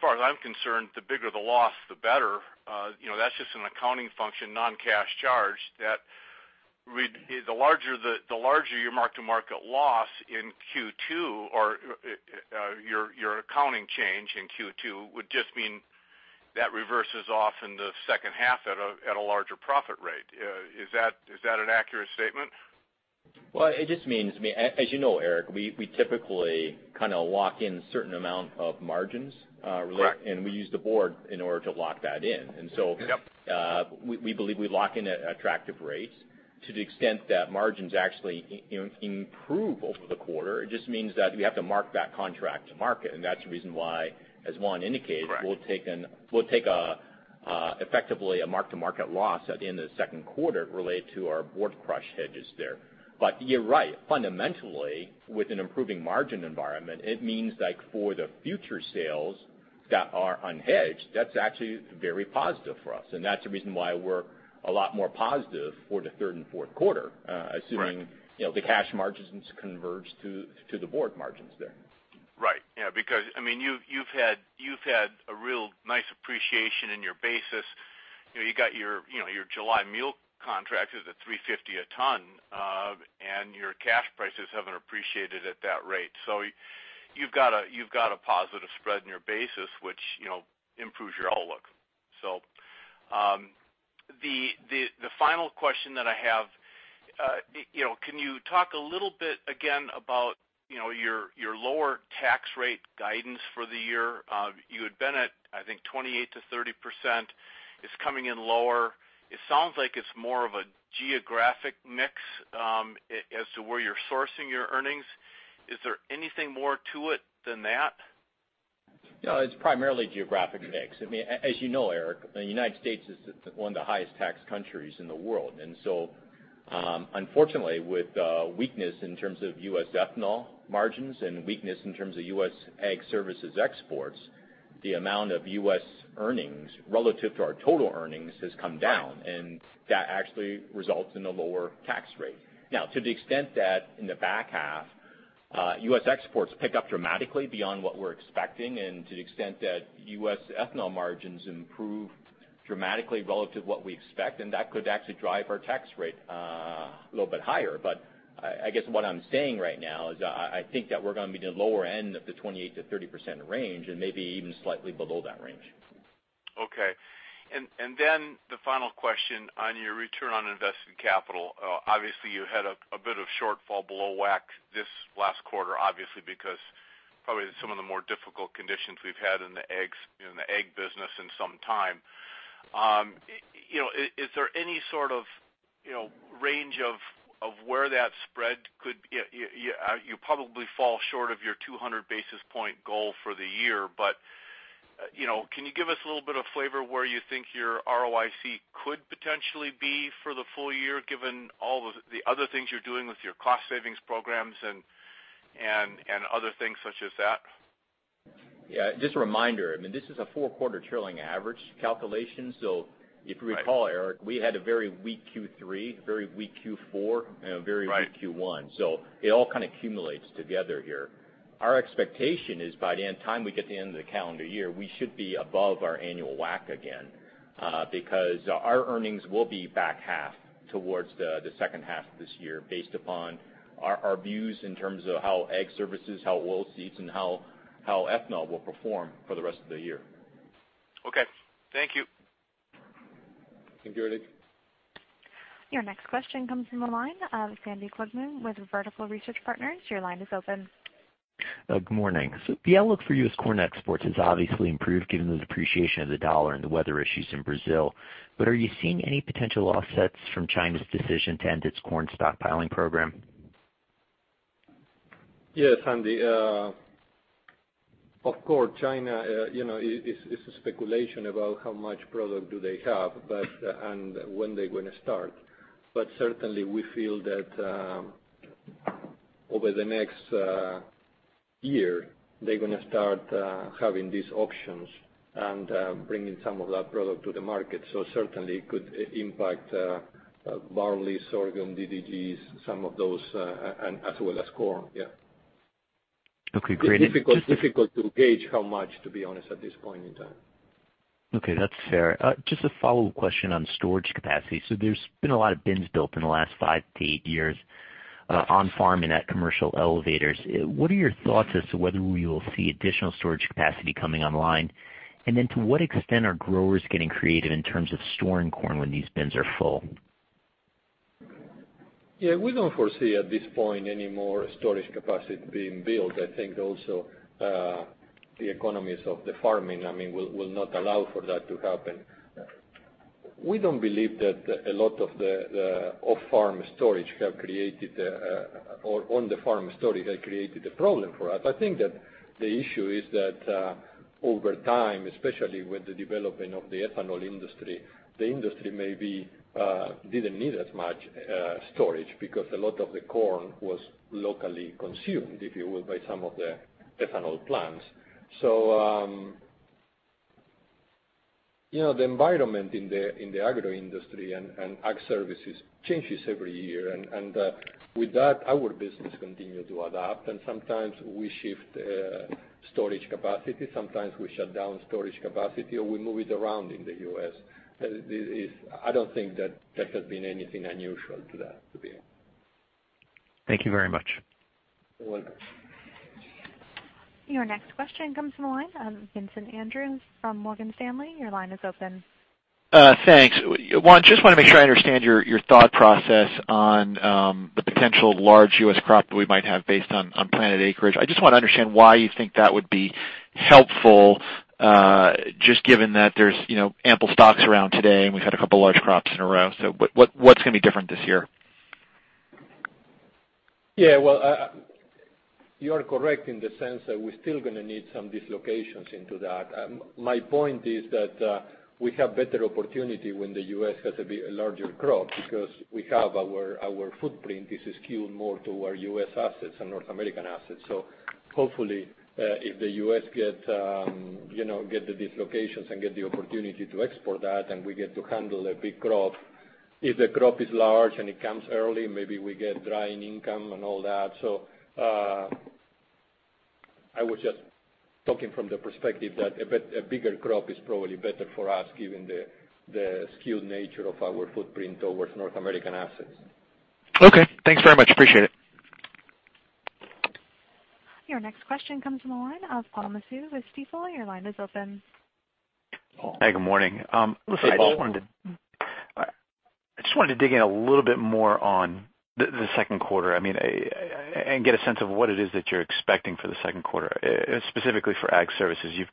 far as I'm concerned, the bigger the loss, the better. That's just an accounting function, non-cash charge, that the larger your mark-to-market loss in Q2 or your accounting change in Q2 would just mean that reverses off in the second half at a larger profit rate. Is that an accurate statement? It just means, as you know Eric, we typically lock in certain amount of margins. Correct We use the board in order to lock that in. Yep We believe we lock in at attractive rates to the extent that margins actually improve over the quarter. It just means that we have to mark that contract to market, and that's the reason why, as Juan indicated. Correct we'll take effectively a mark-to-market loss at the end of the second quarter related to our soybean board crush hedges there. You're right. Fundamentally, with an improving margin environment, it means like for the future sales that are unhedged, that's actually very positive for us. That's the reason why we're a lot more positive for the third and fourth quarter. Right assuming the cash margins converge to the soybean board margins there. Right. Because you've had a real nice appreciation in your basis. You got your July meal contract is at $350 a ton, and your cash prices haven't appreciated at that rate. You've got a positive spread in your basis, which improves your outlook. The final question that I have, can you talk a little bit again about your lower tax rate guidance for the year? You had been at, I think, 28%-30%, it's coming in lower. It sounds like it's more of a geographic mix as to where you're sourcing your earnings. Is there anything more to it than that? No, it's primarily geographic mix. As you know, Eric, the U.S. is one of the highest taxed countries in the world. Unfortunately, with weakness in terms of U.S. ethanol margins and weakness in terms of U.S. Ag Services exports, the amount of U.S. earnings relative to our total earnings has come down, that actually results in a lower tax rate. To the extent that in the back half, U.S. exports pick up dramatically beyond what we're expecting, and to the extent that U.S. ethanol margins improve dramatically relative to what we expect, that could actually drive our tax rate a little bit higher. I guess what I'm saying right now is I think that we're going to be in the lower end of the 28%-30% range, and maybe even slightly below that range. The final question on your return on invested capital. Obviously, you had a bit of shortfall below WACC this last quarter, obviously because probably some of the more difficult conditions we've had in the Ag Services business in some time. Is there any sort of range of where that spread You probably fall short of your 200 basis point goal for the year, but can you give us a little bit of flavor where you think your ROIC could potentially be for the full year, given all the other things you're doing with your cost savings programs and other things such as that? Yeah. Just a reminder, this is a four-quarter trailing average calculation. If you recall, Eric, we had a very weak Q3, very weak Q4, and a very weak Q1. Right. It all kind of cumulates together here. Our expectation is by the time we get to the end of the calendar year, we should be above our annual WACC again. Our earnings will be back half towards the second half of this year based upon our views in terms of how Ag Services, how Oilseeds, and how ethanol will perform for the rest of the year. Okay. Thank you. Thank you, Eric. Your next question comes from the line of Sandy Klugman with Vertical Research Partners. Your line is open. Good morning. The outlook for U.S. corn exports has obviously improved given the depreciation of the dollar and the weather issues in Brazil. Are you seeing any potential offsets from China's decision to end its corn stockpiling program? Yes, Sandy. Of course, China is a speculation about how much product do they have, and when they're going to start. Certainly, we feel that over the next year, they're going to start having these auctions and bringing some of that product to the market. Certainly, it could impact barley, sorghum, DDGs, some of those, as well as corn, yeah. Okay, great. It's difficult to gauge how much, to be honest, at this point in time. Okay, that's fair. Just a follow-up question on storage capacity. There's been a lot of bins built in the last five to eight years on farm and at commercial elevators. What are your thoughts as to whether we will see additional storage capacity coming online? To what extent are growers getting creative in terms of storing corn when these bins are full? Yeah, we don't foresee at this point any more storage capacity being built. I think also, the economies of the farming will not allow for that to happen. We don't believe that a lot of the off-farm storage have created, or on-the-farm storage have created a problem for us. I think that the issue is that, over time, especially with the development of the ethanol industry, the industry maybe didn't need as much storage because a lot of the corn was locally consumed, if you will, by some of the ethanol plants. The environment in the agro industry and Ag Services changes every year. With that, our business continue to adapt, and sometimes we shift storage capacity, sometimes we shut down storage capacity, or we move it around in the U.S. I don't think that that has been anything unusual to that. Thank you very much. You're welcome. Your next question comes from the line of Vincent Andrews from Morgan Stanley. Your line is open. Thanks. Juan, just want to make sure I understand your thought process on the potential large U.S. crop that we might have based on planted acreage. I just want to understand why you think that would be helpful, just given that there's ample stocks around today, and we've had a couple large crops in a row. What's going to be different this year? Well, you are correct in the sense that we're still going to need some dislocations into that. My point is that we have better opportunity when the U.S. has a larger crop because we have our footprint is skewed more to our U.S. assets and North American assets. Hopefully, if the U.S. get the dislocations and get the opportunity to export that, and we get to handle a big crop, if the crop is large and it comes early, maybe we get drying income and all that. I was just talking from the perspective that a bigger crop is probably better for us given the skewed nature of our footprint towards North American assets. Okay. Thanks very much. Appreciate it. Your next question comes from the line of Paul Massoud with Stifel. Your line is open. Hi, good morning. I just wanted to dig in a little bit more on the second quarter and get a sense of what it is that you're expecting for the second quarter, specifically for Ag Services. You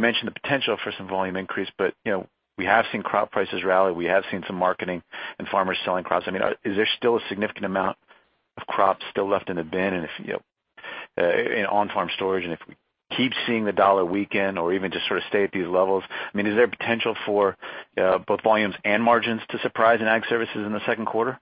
mentioned the potential for some volume increase, we have seen crop prices rally. We have seen some marketing and farmers selling crops. Is there still a significant amount of crops still left in the bin and on-farm storage? If we keep seeing the dollar weaken or even just sort of stay at these levels, is there potential for both volumes and margins to surprise in Ag Services in the second quarter?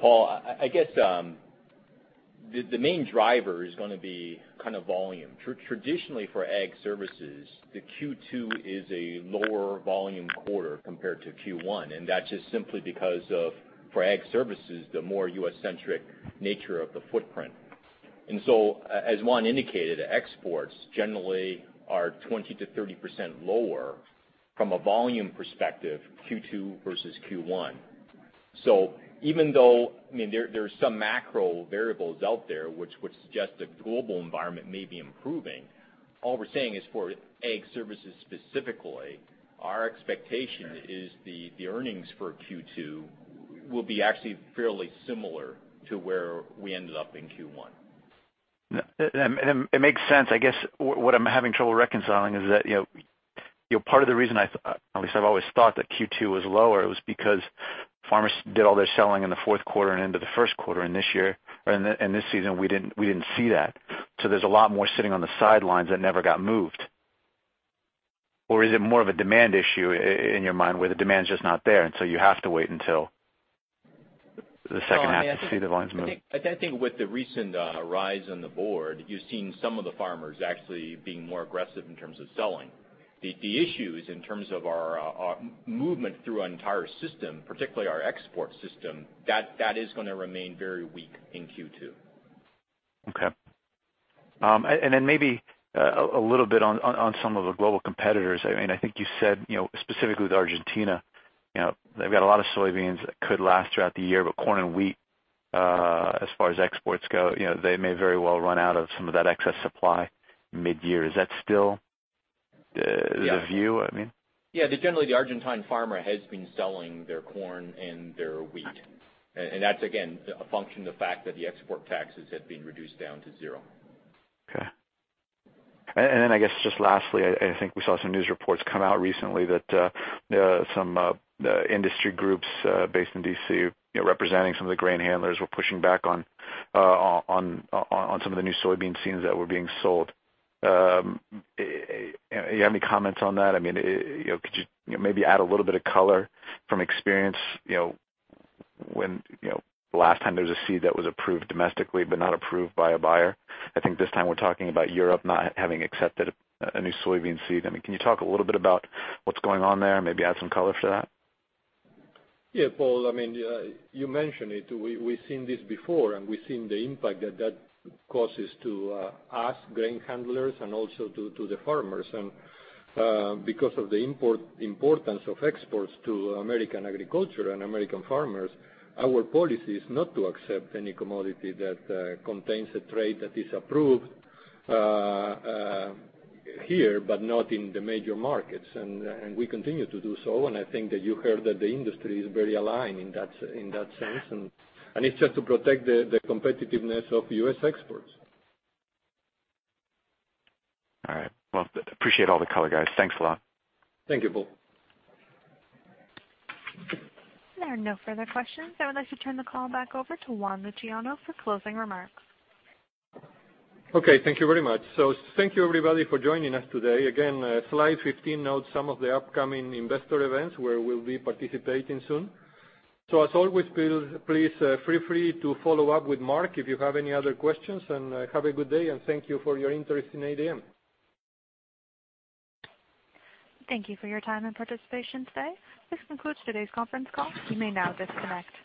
Paul, I guess the main driver is going to be volume. Traditionally for Ag Services, the Q2 is a lower volume quarter compared to Q1, and that's just simply because of, for Ag Services, the more U.S.-centric nature of the footprint. As Juan indicated, exports generally are 20%-30% lower from a volume perspective, Q2 versus Q1. Even though there's some macro variables out there which would suggest the global environment may be improving, all we're saying is for Ag Services specifically, our expectation is the earnings for Q2 will be actually fairly similar to where we ended up in Q1. It makes sense. I guess what I'm having trouble reconciling is that part of the reason, at least I've always thought that Q2 was lower, was because farmers did all their selling in the fourth quarter and into the first quarter. In this season, we didn't see that. There's a lot more sitting on the sidelines that never got moved. Is it more of a demand issue in your mind where the demand's just not there, you have to wait until the second half to see the volumes move? I think with the recent rise in the board, you've seen some of the farmers actually being more aggressive in terms of selling. The issue is in terms of our movement through our entire system, particularly our export system, that is going to remain very weak in Q2. Okay. Maybe a little bit on some of the global competitors. I think you said specifically with Argentina, they've got a lot of soybeans that could last throughout the year, but corn and wheat, as far as exports go, they may very well run out of some of that excess supply mid-year. Is that still the view? Yeah. Generally, the Argentine farmer has been selling their corn and their wheat. That's, again, a function of the fact that the export taxes have been reduced down to zero. Okay. I guess just lastly, I think we saw some news reports come out recently that some industry groups based in D.C., representing some of the grain handlers were pushing back on some of the new soybean seeds that were being sold. You have any comments on that? Could you maybe add a little bit of color from experience, when the last time there was a seed that was approved domestically but not approved by a buyer? I think this time we're talking about Europe not having accepted a new soybean seed. Can you talk a little bit about what's going on there and maybe add some color to that? Yeah, Paul. You mentioned it. We've seen this before, we've seen the impact that that causes to us grain handlers and also to the farmers. Because of the importance of exports to American agriculture and American farmers, our policy is not to accept any commodity that contains a trait that is approved here but not in the major markets. We continue to do so, I think that you heard that the industry is very aligned in that sense. It's just to protect the competitiveness of U.S. exports. All right. Well, appreciate all the color, guys. Thanks a lot. Thank you, Paul. There are no further questions. I would like to turn the call back over to Juan Luciano for closing remarks. Okay, thank you very much. Thank you everybody for joining us today. Again, slide 15 notes some of the upcoming investor events where we'll be participating soon. As always, please feel free to follow up with Mark if you have any other questions, and have a good day, and thank you for your interest in ADM. Thank you for your time and participation today. This concludes today's conference call. You may now disconnect.